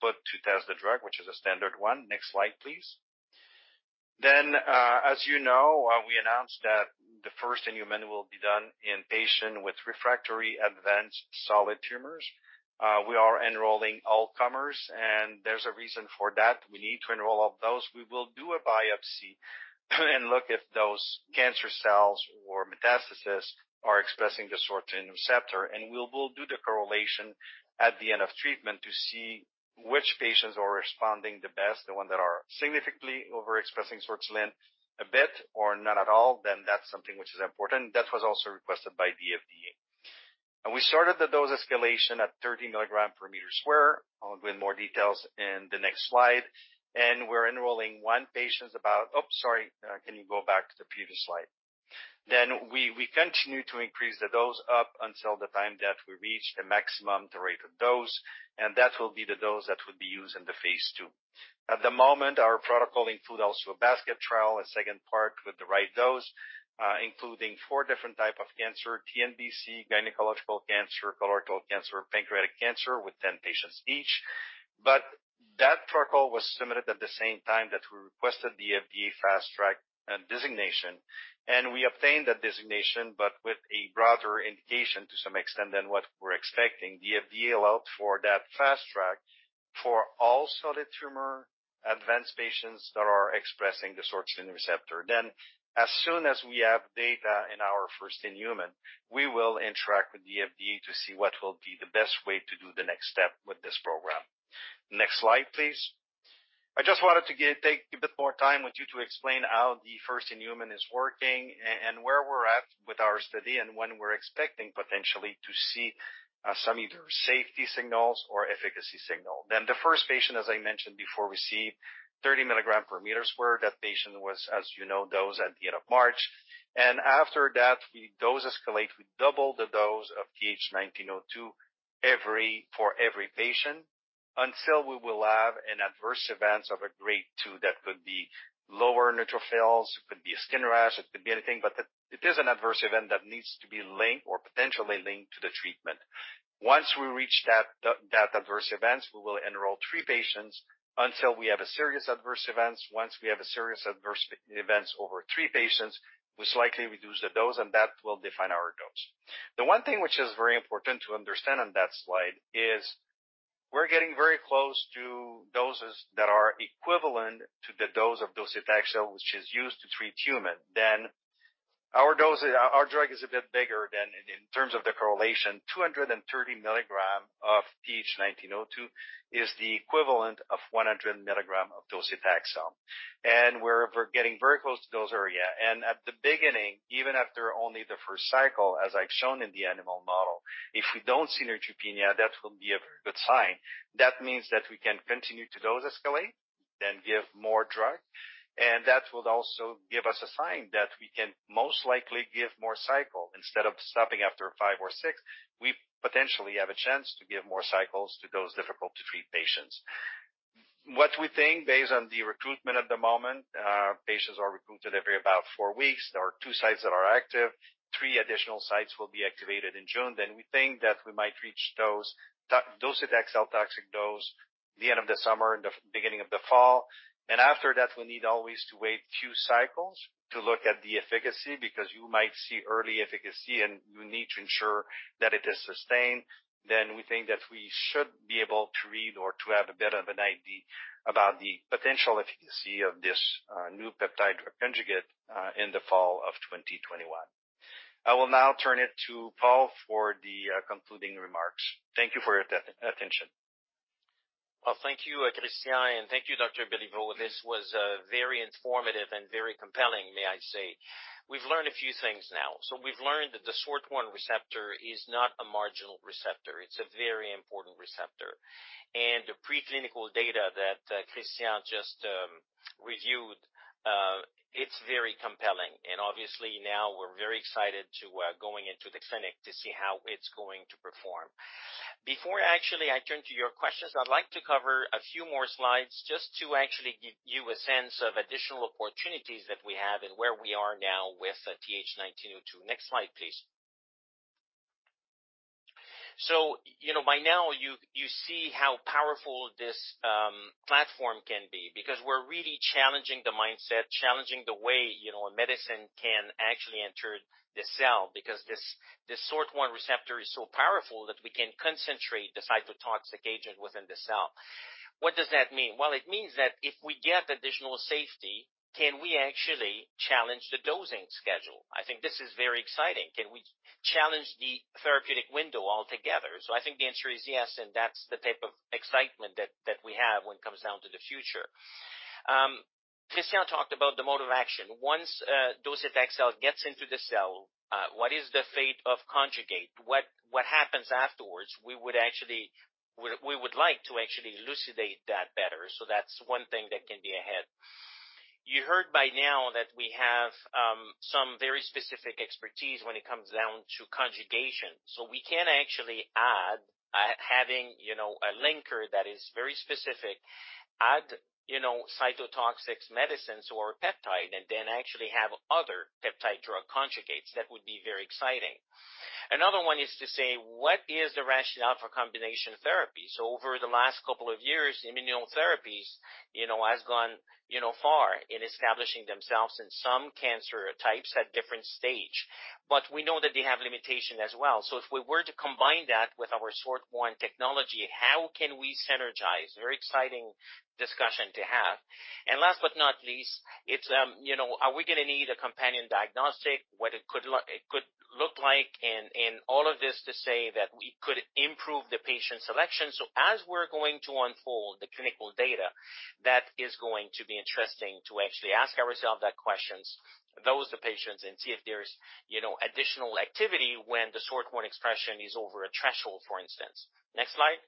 put to test the drug, which is a standard one. Next slide, please. As you know, we announced that the first-in-human will be done in patient with refractory advanced solid tumors. We are enrolling all comers, and there's a reason for that. We need to enroll all those. We will do a biopsy and look if those cancer cells or metastasis are expressing the sortilin receptor. We'll do the correlation at the end of treatment to see which patients are responding the best, the one that are significantly overexpressing sortilin a bit or none at all, then that's something which is important. That was also requested by the FDA. We started the dose escalation at 30 mg/m². I'll go in more details in the next slide. We're enrolling one patients, sorry, can you go back to the previous slide? We continue to increase the dose up until the time that we reach the maximum tolerated dose, and that will be the dose that will be used in the phase II. At the moment, our protocol include also a basket trial, a second part with the right dose, including four different type of cancer: TNBC, gynecological cancer, colorectal cancer, pancreatic cancer with 10 patients each. That protocol was submitted at the same time that we requested the FDA Fast Track designation. We obtained that designation but with a broader indication to some extent than what we're expecting. The FDA allowed for that Fast Track for all solid tumor, advanced patients that are expressing the sortilin receptor. As soon as we have data in our first-in-human, we will interact with the FDA to see what will be the best way to do the next step with this program. Next slide, please. I just wanted to take a bit more time with you to explain how the first-in-human is working and where we're at with our study, and when we're expecting potentially to see some either safety signals or efficacy signal. The first patient, as I mentioned before, received 30 mg/m². That patient was, as you know, dosed at the end of March. After that, we dose escalate. We double the dose of TH1902 for every patient until we will have an adverse event of a grade two that could be lower neutrophils, it could be a skin rash, it could be anything. It is an adverse event that needs to be linked or potentially linked to the treatment. Once we reach that adverse event, we will enroll three patients until we have a serious adverse event. Once we have a serious adverse event over three patients, we slightly reduce the dose, and that will define our dose. The one thing which is very important to understand on that slide is we are getting very close to doses that are equivalent to the dose of docetaxel, which is used to treat human. Our drug is a bit bigger than in terms of the correlation. 230 mg of TH1902 is the equivalent of 100 mg of docetaxel. We are getting very close to dose area. At the beginning, even after only the first cycle, as I've shown in the animal model, if we don't see neutropenia, that will be a very good sign. That means that we can continue to dose escalate, give more drug. That will also give us a sign that we can most likely give more cycle. Instead of stopping after five or six, we potentially have a chance to give more cycles to those difficult to treat patients. What we think based on the recruitment at the moment, patients are recruited every about four weeks. There are two sites that are active. Three additional sites will be activated in June. We think that we might reach those docetaxel toxic dose the end of the summer and the beginning of the fall. After that, we need always to wait a few cycles to look at the efficacy, because you might see early efficacy, and you need to ensure that it is sustained. We think that we should be able to read or to have a bit of an idea about the potential efficacy of this new peptide-drug conjugate in the fall of 2021. I will now turn it to Paul for the concluding remarks. Thank you for your attention. Well, thank you, Christian, and thank you, Dr. Béliveau. This was very informative and very compelling, may I say. We've learned a few things now. We've learned that the sortilin receptor is not a marginal receptor. It's a very important receptor. And the preclinical data that Christian just reviewed, it's very compelling. Obviously, now, we're very excited to going into the clinic to see how it's going to perform. Before actually I turn to your questions, I'd like to cover a few more slides just to actually give you a sense of additional opportunities that we have, and where we are now with TH1902. Next slide, please. You know, by now you see how powerful this platform can be because we're really challenging the mindset, challenging the way, you know, a medicine can actually enter the cell because this SORT1 receptor is so powerful that we can concentrate the cytotoxic agent within the cell. What does that mean? Well, it means that if we get additional safety, can we actually challenge the dosing schedule? I think this is very exciting. Can we challenge the therapeutic window altogether? I think the answer is yes, and that's the type of excitement that we have when it comes down to the future. Christian talked about the mode of action. Once docetaxel gets into the cell, what is the fate of conjugate? What happens afterwards? We would like to actually elucidate that better. That's one thing that can be ahead. You heard by now that we have some very specific expertise when it comes down to conjugation. We can actually add, having, you know, a linker that is very specific, add, you know, cytotoxics medicines or peptide, and then actually have other peptide-drug conjugates. That would be very exciting. Another one is to say, what is the rationale for combination therapy? Over the last couple of years, immunotherapies, you know, has gone, you know, far in establishing themselves in some cancer types at different stage. We know that they have limitation as well. If we were to combine that with our SORT1 technology, how can we synergize? Very exciting discussion to have. Last but not least, it's, you know, are we going to need a companion diagnostic, what it could look like, and in all of this to say that we could improve the patient selection. As we're going to unfold the clinical data, that is going to be interesting to actually ask ourselves that questions, those the patients, and see if there's, you know, additional activity when the SORT1 expression is over a threshold, for instance. Next slide.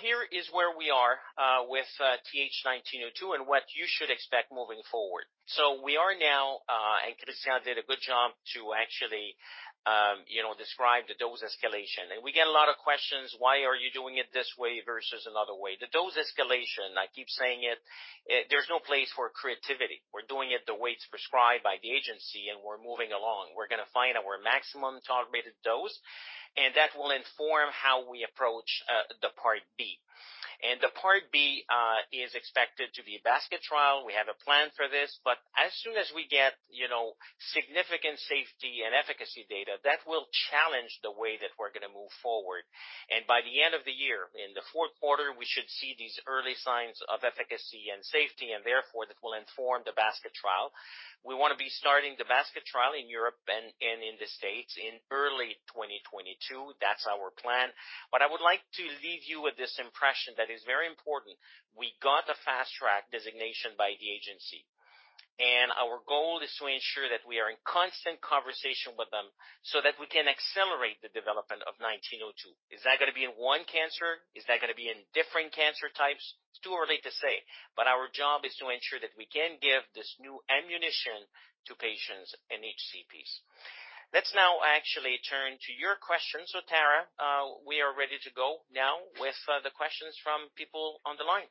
Here is where we are with TH1902 and what you should expect moving forward. We are now, and Christian did a good job to actually, you know, describe the dose escalation. We get a lot of questions, why are you doing it this way versus another way? The dose escalation, I keep saying it, there's no place for creativity. We're doing it the way it's prescribed by the agency, and we're moving along. We're going to find our maximum tolerated dose, and that will inform how we approach the part B. The part B is expected to be a basket trial. We have a plan for this, but as soon as we get, you know, significant safety and efficacy data, that will challenge the way that we're going to move forward. By the end of the year, in the fourth quarter, we should see these early signs of efficacy and safety, and therefore, that will inform the basket trial. We want to be starting the basket trial in Europe and in the states in early 2022. That's our plan. I would like to leave you with this impression that is very important. We got the Fast Track designation by the agency and our goal is to ensure that we are in constant conversation with them so that we can accelerate the development of TH1902. Is that going to be in one cancer? Is that going to be in different cancer types? It's too early to say but our job is to ensure that we can give this new ammunition to patients and HCPs. Let's now actually turn to your questions. Tara, we are ready to go now with the questions from people on the line.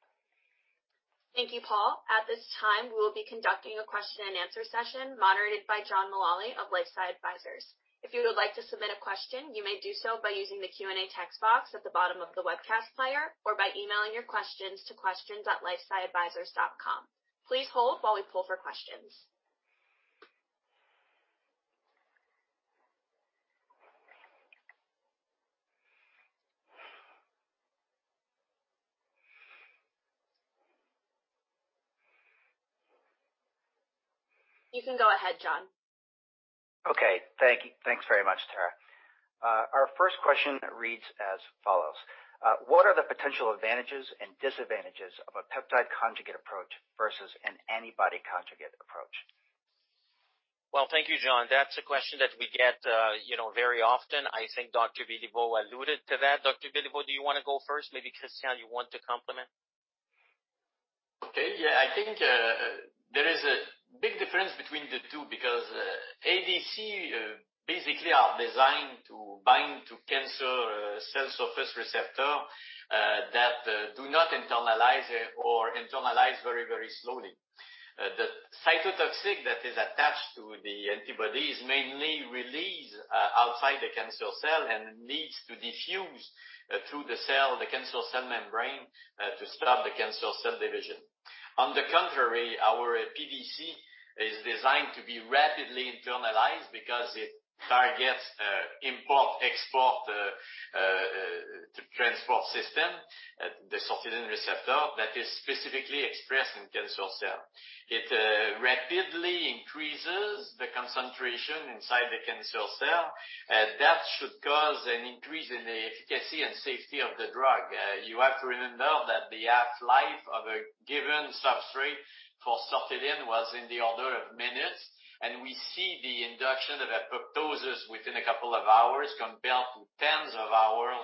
Thank you, Paul. At this time, we'll be conducting a question and answer session moderated by John Matalone of LifeSci Advisors. If you would like to submit a question, you may do so by using the Q&A text box at the bottom of the webcast player or by emailing your questions to questions@lifesciadvisors.com. Please hold while we pull for questions. You can go ahead, John. Okay. Thanks very much, Tara. Our first question reads as follows. What are the potential advantages and disadvantages of a peptide conjugate approach versus an antibody conjugate approach? Well, thank you, John. That's a question that we get, you know, very often. I think Dr. Béliveau alluded to that. Dr. Béliveau, do you want to go first? Maybe, Christian, you want to complement? Okay, yeah, I think there is a big difference between the two because ADC basically are designed to bind to cancer cell surface receptor that do not internalize or internalize very, very slowly. The cytotoxic that is attached to the antibodies mainly release outside the cancer cell and needs to diffuse through the cell or the cancer cell membrane to stop the cancer cell division. On the contrary, our PDC is designed to be rapidly internalized because it targets import, export transport system, the sortilin receptor, that is specifically expressed in cancer cell. It rapidly increases the concentration inside the cancer cell. That should cause an increase in the efficacy and safety of the drug. You have to remember that the half-life of a given substrate for sortilin was in the order of minutes and we see the induction of apoptosis within a couple of hours compared to tens of hours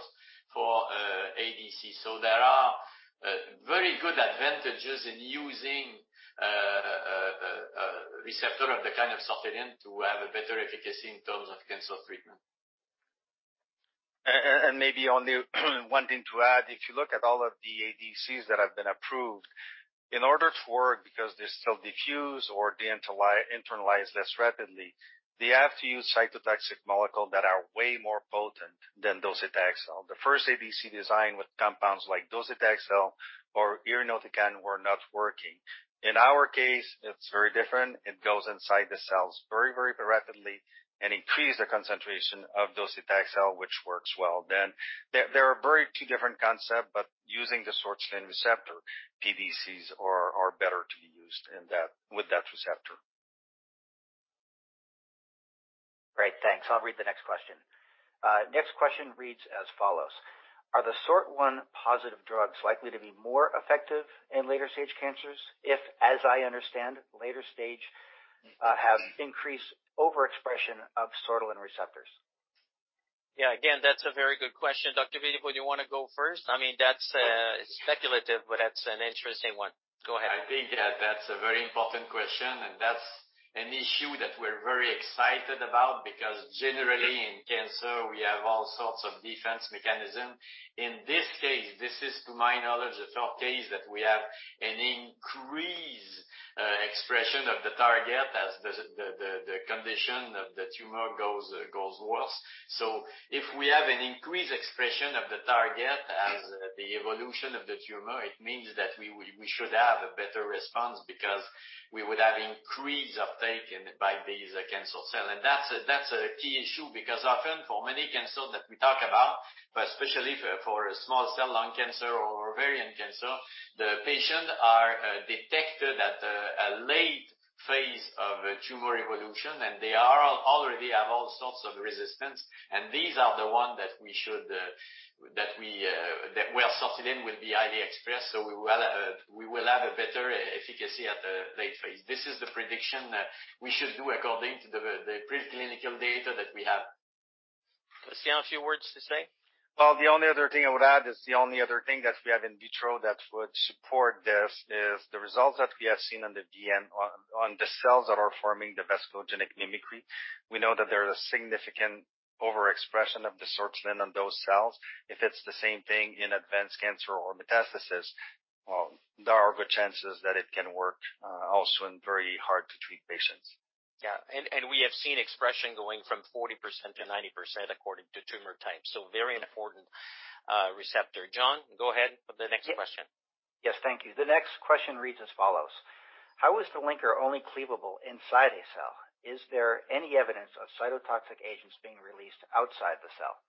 for ADC. There are very good advantages in using a receptor of the kind of sortilin to have a better efficacy in terms of cancer treatment. Maybe only one thing to add, if you look at all of the ADCs that have been approved, in order to work, because they're still diffuse or they internalize less rapidly, they have to use cytotoxic molecule that are way more potent than docetaxel. The first ADC design with compounds like docetaxel or irinotecan were not working. In our case, it's very different. It goes inside the cells very, very rapidly, and increase the concentration of docetaxel, which works well. They are very two different concept, but using the sortilin receptor, PDCs are better to be used with that receptor. Great. Thanks. I'll read the next question. Next question reads as follows: are the SORT1 positive drugs likely to be more effective in later stage cancers if, as I understand, later stage have increased overexpression of sortilin receptors? Yeah, again, that's a very good question. Dr. Béliveau, do you want to go first? I mean, that's speculative, but that's an interesting one. Go ahead. I think, yeah, that's a very important question, and that's an issue that we're very excited about, because generally in cancer, we have all sorts of defense mechanism. In this case, this is, to my knowledge, the third case that we have an increased expression of the target as the condition of the tumor goes worse. If we have an increased expression of the target as the evolution of the tumor, it means that we should have a better response because we would have increased uptake by these cancer cell. That's a key issue because often for many cancer that we talk about, but especially for small cell lung cancer or ovarian cancer, the patient are detected at a late phase of tumor evolution, and they already have all sorts of resistance. These are the one that where sortilin will be highly expressed so we will have a better efficacy at the late phase. This is the prediction that we should do according to the preclinical data that we have. Christian, a few words to say? Well, the only other thing I would add is the only other thing that we have in vitro that would support this, is the results that we have seen on the cells that are forming, the vasculogenic mimicry. We know that there's a significant overexpression of the sortilin on those cells. If it's the same thing in advanced cancer or metastasis, well, there are good chances that it can work also in very hard to treat patients. Yeah. We have seen expression going from 40% to 90% according to tumor type so a very important receptor. John, go ahead with the next question. Yes. Thank you. The next question reads as follows: how is the linker only cleavable inside a cell? Is there any evidence of cytotoxic agents being released outside the cell?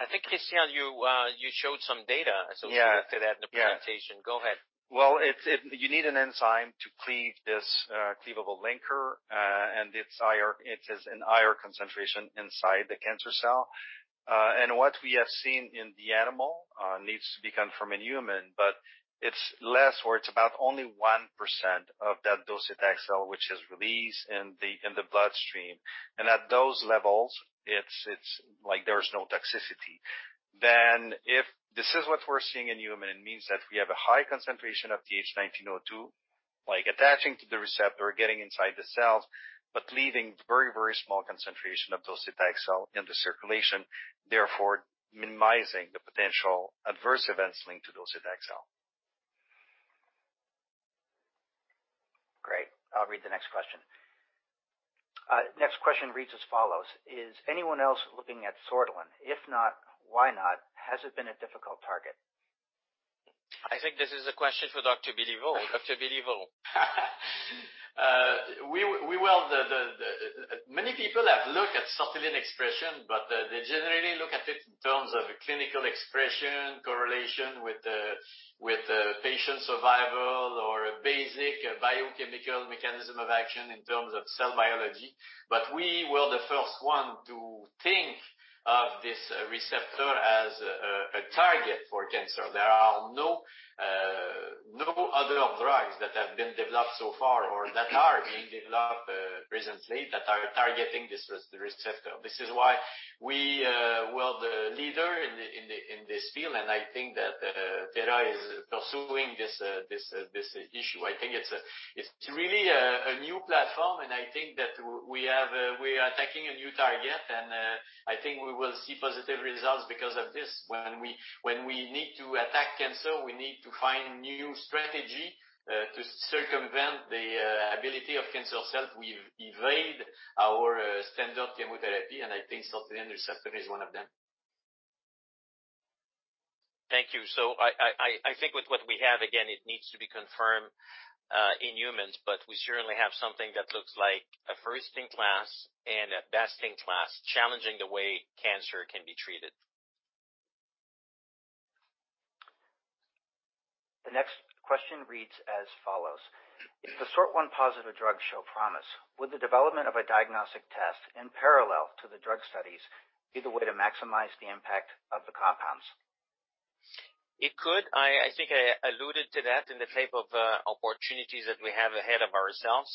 I think, Christian, you showed some data associated with that in the presentation. Yeah. Go ahead. It's you need an enzyme to cleave this cleavable linker and it has a higher concentration inside the cancer cell. What we have seen in the animal needs to be confirmed in human, but it's less, or it's about only 1% of that docetaxel which is released in the bloodstream. At those levels, it's like there's no toxicity. If this is what we're seeing in human, it means that we have a high concentration of TH1902, like attaching to the receptor, getting inside the cells, but leaving very, very small concentration of docetaxel in the circulation, therefore minimizing the potential adverse events linked to docetaxel. Great. I'll read the next question. Next question reads as follows: is anyone else looking at sortilin? If not, why not? Has it been a difficult target? I think this is a question for Dr. Béliveau. Dr. Béliveau. We will. Many people have looked at sortilin expression, but they generally look at it in terms of clinical expression, correlation with patient survival or a basic biochemical mechanism of action in terms of cell biology. We were the first one to think of this receptor as a target for cancer. There are no other drugs that have been developed so far or that are being developed presently that are targeting this receptor. This is why we were the leader in this field and I think that Thera is pursuing this issue. I think it's really a new platform, amdI think that we have, we are attacking a new target, and I think we will see positive results because of this. When we need to attack cancer, we need to find new strategy to circumvent the ability of cancer cell to invade our standard chemotherapy, and I think sortilin receptor is one of them. Thank you. I think with what we have, again, it needs to be confirmed in humans, but we certainly have something that looks like a first in class, and a best in class, challenging the way cancer can be treated. The next question reads as follows: if the SORT1 positive drugs show promise, would the development of a diagnostic test in parallel to the drug studies be the way to maximize the impact of the compounds? It could. I think I alluded to that in the type of opportunities that we have ahead of ourselves.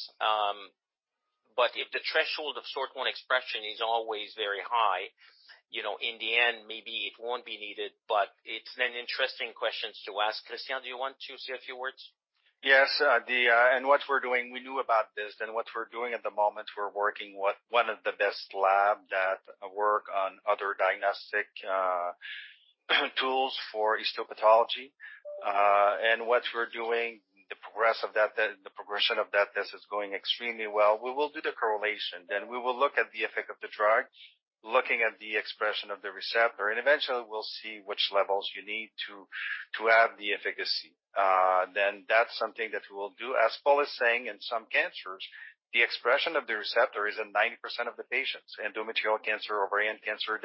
If the threshold of SORT1 expression is always very high, you know, in the end, maybe it won't be needed. It's an interesting questions to ask. Christian, do you want to say a few words? Yes, what we're doing, we knew about this. What we're doing at the moment, we're working with one of the best lab that work on other diagnostic tools for histopathology. What we're doing, the progression of that test is going extremely well. We will do the correlation. We will look at the effect of the drug, looking at the expression of the receptor, and eventually we'll see which levels you need to have the efficacy. That's something that we will do. As Paul is saying, in some cancers, the expression of the receptor is in 90% of the patients, endometrial cancer, ovarian cancer.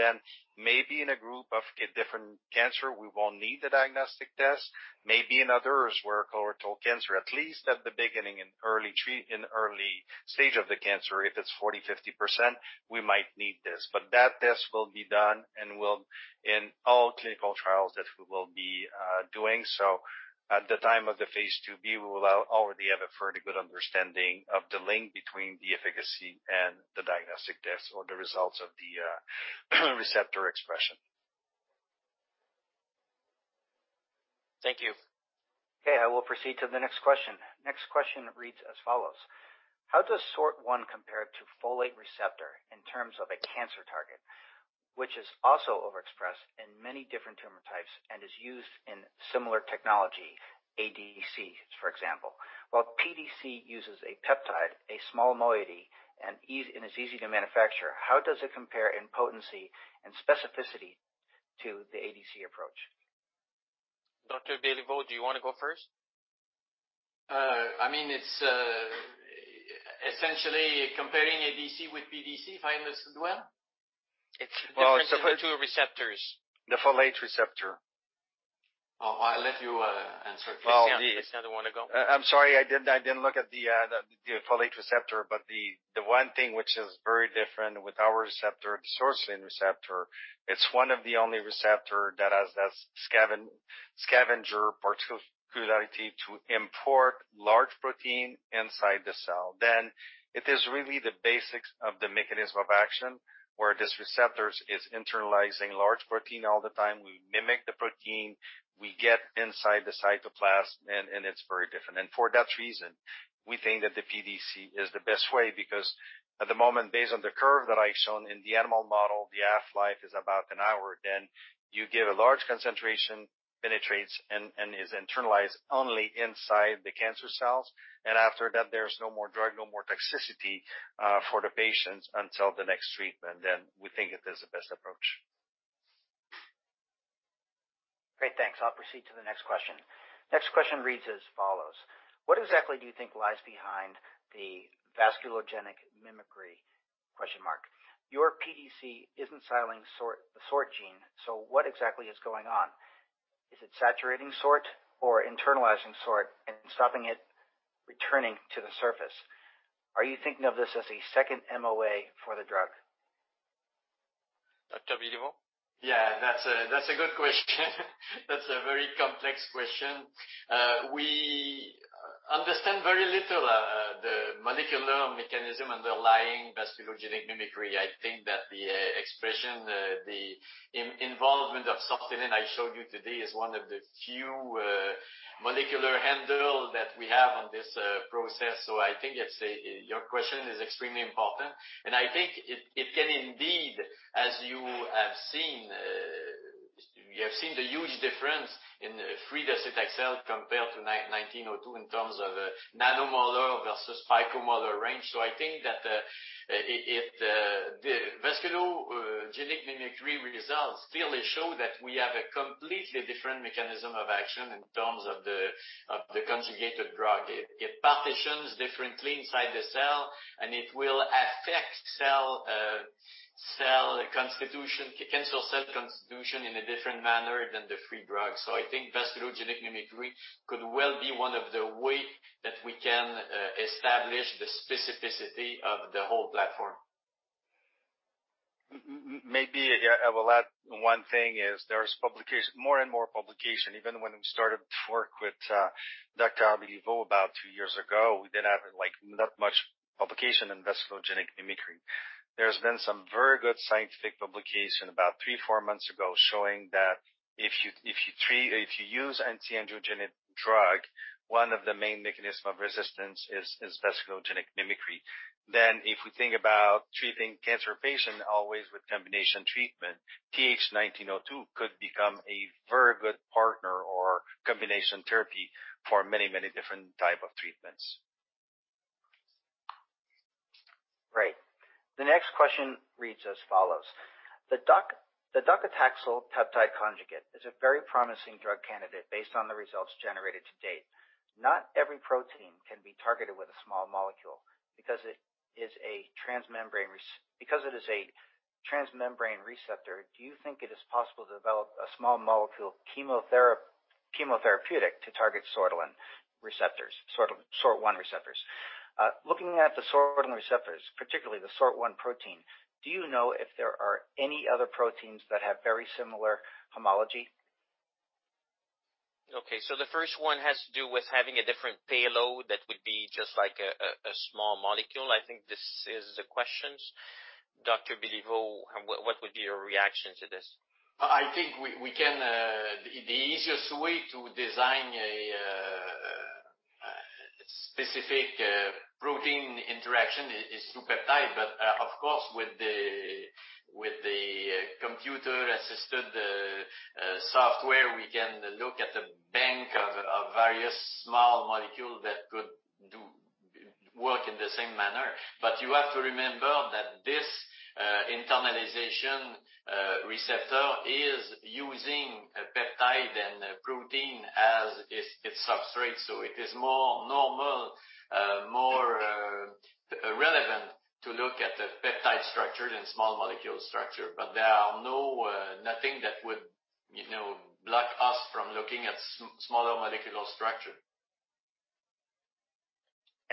Maybe in a group of a different cancer, we won't need the diagnostic test. Maybe in others, where colorectal cancer, at least at the beginning, in early stage of the cancer, if it's 40%, 50%, we might need this. That test will be done and will in all clinical trials that we will be doing. At the time of the phase IIb, we will already have a fairly good understanding of the link between the efficacy, and the diagnostic tests, or the results of the receptor expression. Thank you. Okay, I will proceed to the next question. Next question reads as follows: how does SORT1 compare to folate receptor in terms of a cancer target, which is also overexpressed in many different tumor types and is used in similar technology, ADCs, for example? While PDC uses a peptide, a small moiety, and is easy to manufacture, how does it compare in potency and specificity to the ADC approach? Dr. Béliveau, do you want to go first? I mean, it's essentially comparing ADC with PDC, if I understood well. It's the difference between two receptors. The folate receptor. Oh, I'll let you answer. Paul. Christian, do you want to go? I'm sorry. I didn't look at the folate receptor, the one thing which is very different with our receptor, the sortilin receptor, it's one of the only receptor that has that scavenger particularity to import large protein inside the cell. It is really the basics of the mechanism of action, where this receptors is internalizing large protein all the time. We mimic the protein, we get inside the cytoplasm, and it's very different. For that reason, we think that the PDC is the best way because at the moment, based on the curve that I've shown in the animal model, the half-life is about an hour. You give a large concentration, penetrates, and is internalized only inside the cancer cells. After that, there's no more drug, no more toxicity for the patients until the next treatment. We think it is the best approach. Great, thanks, I'll proceed to the next question. Next question reads as follows: what exactly do you think lies behind the vasculogenic mimicry? Your PDC isn't silencing SORT1, the SORT1 gene, so what exactly is going on? Is it saturating SORT1 or internalizing SORT1 and stopping it returning to the surface? Are you thinking of this as a second MOA for the drug? Dr. Béliveau. Yeah, that's a good question. That's a very complex question. We understand very little, the molecular mechanism underlying vasculogenic mimicry. I think that the expression, the involvement of sortilin I showed you today is one of the few molecular handle that we have on this process. I think your question is extremely important, and I think it can indeed, as you have seen, you have seen the huge difference in free docetaxel compared to 1902 in terms of nanomolar versus picomolar range. I think that it, the vasculogenic mimicry results, clearly, show that we have a completely different mechanism of action in terms of the conjugated drug. It partitions differently inside the cell, and it will affect cell constitution, cancer cell constitution in a different manner than the free drug. I think vasculogenic mimicry could well be one of the way that we can establish the specificity of the whole platform. Maybe I will add one thing is there's publication, more and more publication. Even when we started to work with Dr. Béliveau about two years ago, we didn't have, like, that much publication in vasculogenic mimicry. There's been some very good scientific publication about three months or four months ago showing that if you use anti-angiogenic drug, one of the main mechanism of resistance is vasculogenic mimicry. If we think about treating cancer patient always with combination treatment, TH1902 could become a very good partner or combination therapy for many, many different type of treatments. Great. The next question reads as follows: the docetaxel peptide conjugate is a very promising drug candidate based on the results generated to date. Not every protein can be targeted with a small molecule. Because it is a transmembrane receptor, do you think it is possible to develop a small molecule chemotherapeutic to target sortilin receptors, SORT1 receptors. Looking at the sortilin receptors, particularly the SORT1 protein, do you know if there are any other proteins that have very similar homology? Okay, so the first one has to do with having a different payload that would be just like a small molecule. I think this is the questions. Dr. Béliveau, what would be your reaction to this? I think, we can, the easiest way to design a specific protein interaction is through peptide. Of course, with the computer-assisted software, we can look at a bank of various small molecule that could work in the same manner. You have to remember that this internalization receptor is using a peptide, and a protein as its substrate, so it is more normal, more relevant to look at the peptide structure than small molecule structure. There are no, nothing that would, you know, block us from looking at smaller molecular structure.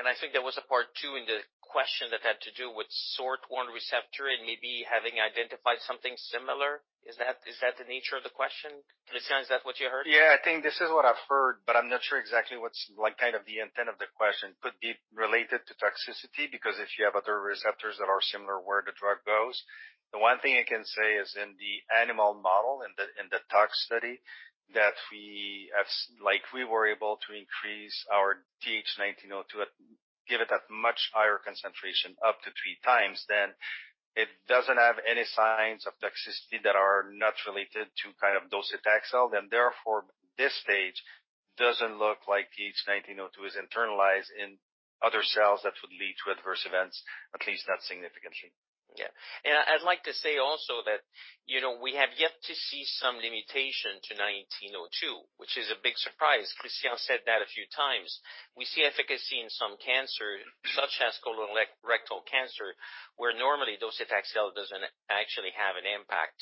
I think there was a part two in the question that had to do with SORT1 receptor and maybe having identified something similar. Is that the nature of the question? Christian, is that what you heard? I think this is what I've heard but I'm not sure exactly what's like kind of the intent of the question. Could it be related to toxicity, because if you have other receptors that are similar where the drug goes. The one thing I can say is in the animal model, in the tox study, that we were able to increase our TH1902, give it a much higher concentration, up to 3x. It doesn't have any signs of toxicity that are not related to kind of docetaxel then therefore this stage doesn't look like TH1902 is internalized in other cells that would lead to adverse events, at least not significantly. Yeah. I'd like to say also that, you know, we have yet to see some limitation to 1902, which is a big surprise. Christian said that a few times. We see efficacy in some cancer, such as colorectal cancer, where normally docetaxel doesn't actually have an impact.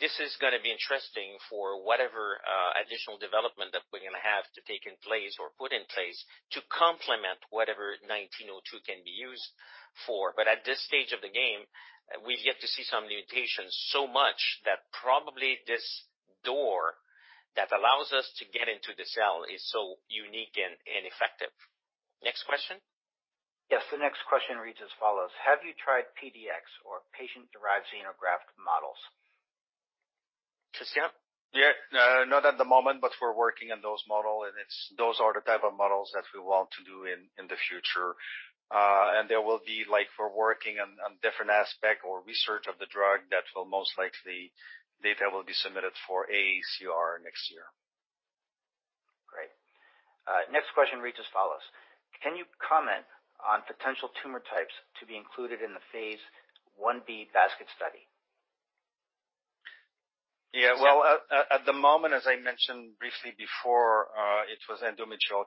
This is going to be interesting for whatever additional development that we're going to have to take in place or put in place to complement whatever 1902 can be used for. At this stage of the game, we've yet to see some limitations so much that probably this door that allows us to get into the cell is so unique and effective. Next question. Yes. The next question reads as follows: have you tried PDX or patient-derived xenograft models? Christian? Yeah, not at the moment, but we're working on those models. Those are the type of models that we want to do in the future. There will be, like if we're working on different aspects or research of the drug that will most likely, data will be submitted for AACR next year. Great. Next question reads as follows: can you comment on potential tumor types to be included in the phase Ib basket study? At the moment, as I mentioned briefly before, it was endometrial,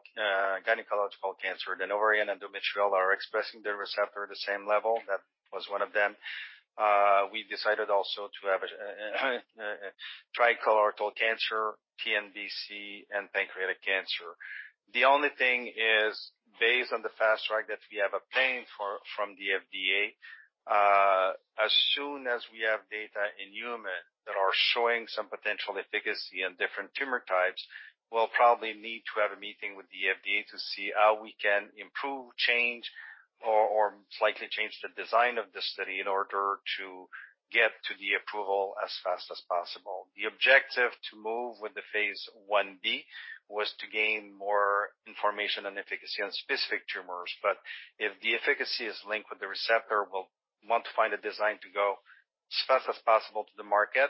gynecological cancer. The ovarian endometrial are expressing the receptor at the same level, that was one of them. We decided also to have a try colorectal cancer, TNBC, and pancreatic cancer. The only thing is, based on the Fast Track that we have obtained from the FDA, as soon as we have data in human that are showing some potential efficacy in different tumor types, we'll probably need to have a meeting with the FDA to see how we can improve, change, or slightly change the design of the study in order to get to the approval as fast as possible. The objective to move with the phase Ib was to gain more information on efficacy on specific tumors. If the efficacy is linked with the receptor, we'll want to find a design to go as fast as possible to the market.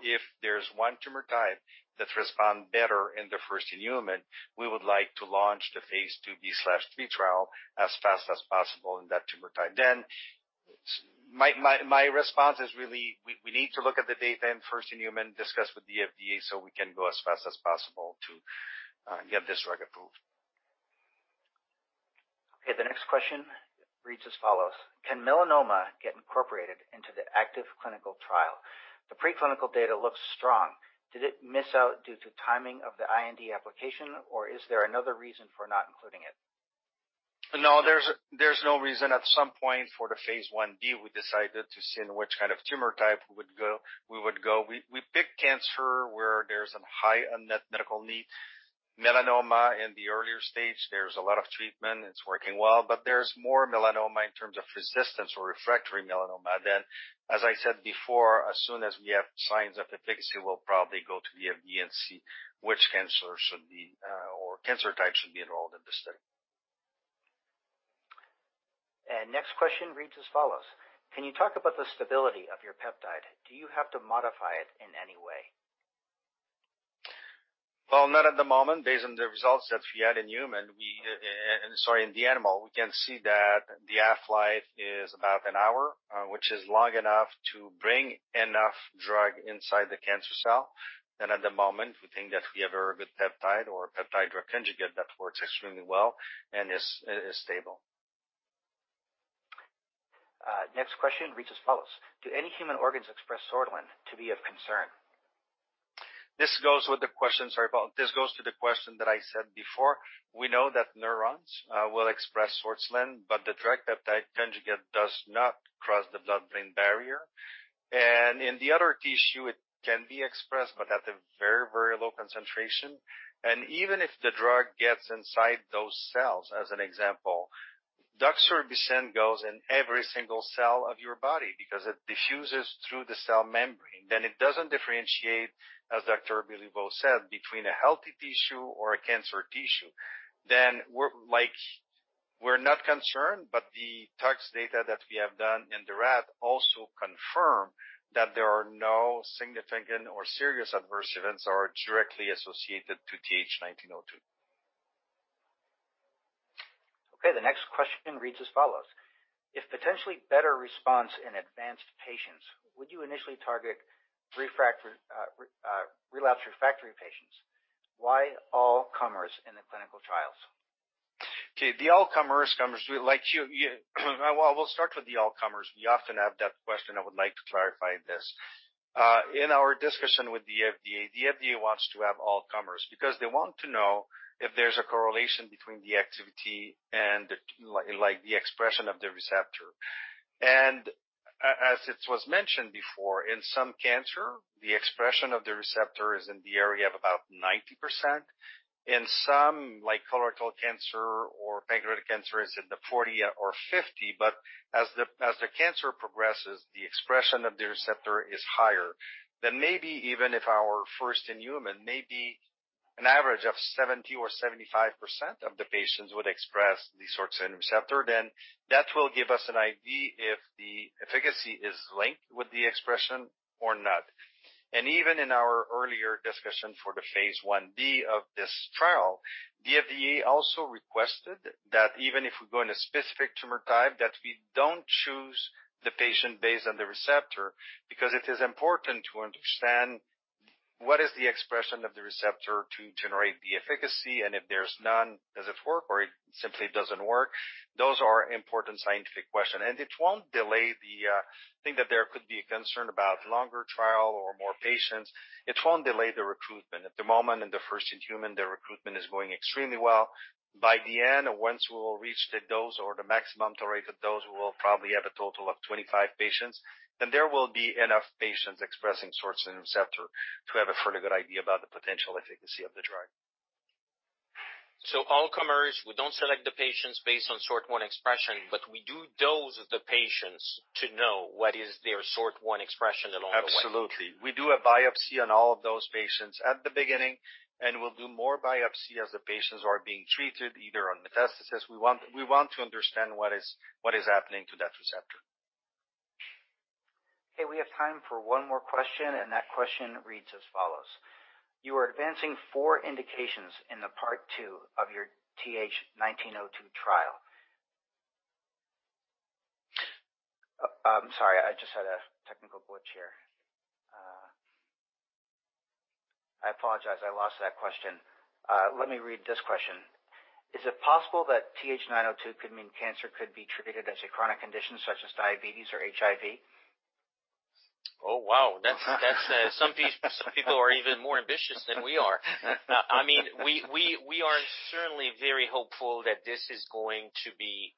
If there's one tumor type that respond better in the first-in-human, we would like to launch the phase IIb/III trial as fast as possible in that tumor type. My response is really we need to look at the data in first-in-human, discuss with the FDA, so we can go as fast as possible to get this drug approved. Okay. The next question reads as follows: can melanoma get incorporated into the active clinical trial? The preclinical data looks strong. Did it miss out due to timing of the IND application, or is there another reason for not including it? No, there's no reason. At some point for the phase Ib, we decided to see in which kind of tumor type we would go. We picked cancer where there's a high unmet medical need. Melanoma in the earlier stage, there's a lot of treatment, it's working well. There's more melanoma in terms of resistance or refractory melanoma. As I said before, as soon as we have signs of efficacy, we'll probably go to the FDA and see which cancer should be or cancer type should be enrolled in the study. Next question reads as follows: can you talk about the stability of your peptide? Do you have to modify it in any way? Well, not at the moment. Based on the results that we had in human, we, sorry, in the animal, we can see that the half-life is about an hour, which is long enough to bring enough drug inside the cancer cell. At the moment, we think that we have a very good peptide or peptide-drug conjugate that works extremely well and is stable. Next question reads as follows. Do any human organs express sortilin to be of concern? Sorry, Paul. This goes to the question that I said before. We know that neurons will express sortilin, but the drug peptide conjugate does not cross the blood-brain barrier. In the other tissue it can be expressed, but at a very, very low concentration. Even if the drug gets inside those cells, as an example, doxorubicin goes in every single cell of your body because it diffuses through the cell membrane. It doesn't differentiate, as Dr. Béliveau said, between a healthy tissue or a cancer tissue. We're not concerned but the tox data that we have done in the rat also confirm that there are no significant or serious adverse events are directly associated to TH1902. Okay, the next question reads as follows: if potentially better response in advanced patients, would you initially target relapse refractory patients? Why all comers in the clinical trials? Okay. Well, we'll start with the all comers. We often have that question. I would like to clarify this. In our discussion with the FDA, the FDA wants to have all comers, because they want to know if there's a correlation between the activity, and the like the expression of the receptor. As it was mentioned before, in some cancer, the expression of the receptor is in the area of about 90%. In some, like colorectal cancer or pancreatic cancer, is in the 40% or 50%. As the cancer progresses, the expression of the receptor is higher. Maybe even if our first in human, maybe an average of 70% or 75% of the patients would express the sortilin receptor, that will give us an idea if the efficacy is linked with the expression or not. Even in our earlier discussion for the phase Ib of this trial, the FDA also requested that even if we go in a specific tumor type, that we don't choose the patient based on the receptor, because it is important to understand what is the expression of the receptor to generate the efficacy, and if there's none, does it work or it simply doesn't work? Those are important scientific question. It won't delay the, I think that there could be a concern about longer trial or more patients. It won't delay the recruitment. At the moment, in the first in human, the recruitment is going extremely well. By the end, once we will reach the dose or the maximum tolerated dose, we will probably have a total of 25 patients. There will be enough patients expressing sortilin receptor to have a fairly good idea about the potential efficacy of the drug. All comers, we don't select the patients based on SORT1 expression, but we do dose the patients to know what is their SORT1 expression along the way. Absolutely. We do a biopsy on all of those patients at the beginning, and we'll do more biopsy as the patients are being treated, either on metastasis. We want to understand what is, what is happening to that receptor. Okay, we have time for one more question, and that question reads as follows: you are advancing four indications in the phase II of your TH1902 trial. Sorry, I just had a technical glitch here. I apologize. I lost that question. Let me read this question. Is it possible that TH1902 could mean cancer could be treated as a chronic condition such as diabetes or HIV? Oh, wow. That's some people are even more ambitious than we are. I mean, we are certainly very hopeful that this is going to be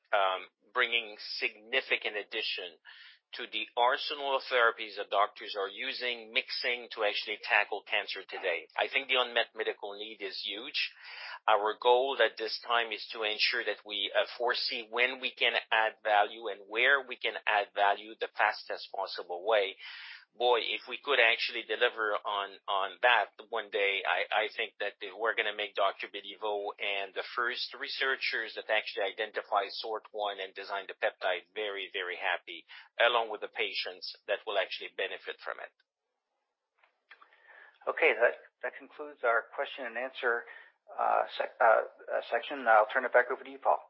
bringing significant addition to the arsenal of therapies that doctors are using, mixing to actually tackle cancer today. I think the unmet medical need is huge. Our goal at this time is to ensure that we foresee when we can add value and where we can add value the fastest possible way. Boy, if we could actually deliver on that one day, I think that we're going to make Dr. Béliveau and the first researchers that actually identify SORT1 and designed the peptide very, very happy, along with the patients that will actually benefit from it. Okay. That concludes our question and answer section. I'll turn it back over to you, Paul.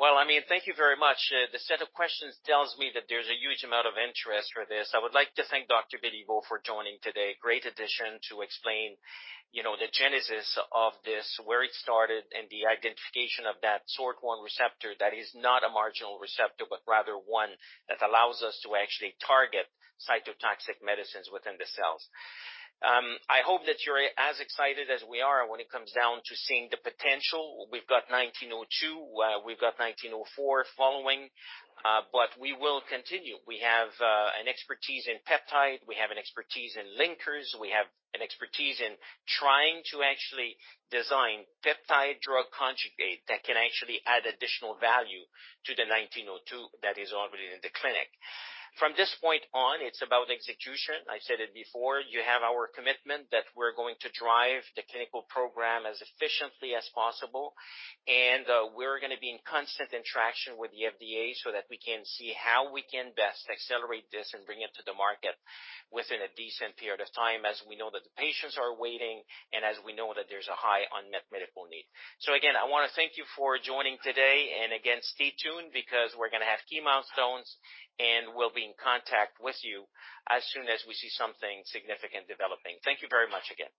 Well, I mean, thank you very much. The set of questions tells me that there's a huge amount of interest for this. I would like to thank Dr. Béliveau for joining today, a great addition to explain, you know, the genesis of this, where it started, and the identification of that SORT1 receptor that is not a marginal receptor, but rather one that allows us to actually target cytotoxic medicines within the cells. I hope that you're as excited as we are when it comes down to seeing the potential. We've got 1902, we've got 1904 following, we will continue. We have an expertise in peptide. We have an expertise in linkers. We have an expertise in trying to actually design peptide drug conjugate that can actually add additional value to the 1902 that is already in the clinic. From this point on, it's about execution. I said it before. You have our commitment that we're going to drive the clinical program as efficiently as possible, and we're going to be in constant interaction with the FDA, so that we can see how we can best accelerate this, and bring it to the market within a decent period of time, as we know that the patients are waiting and as we know that there's a high unmet medical need. Again, I want to thank you for joining today. Again, stay tuned because we're going to have key milestones, and we'll be in contact with you as soon as we see something significant developing. Thank you very much again.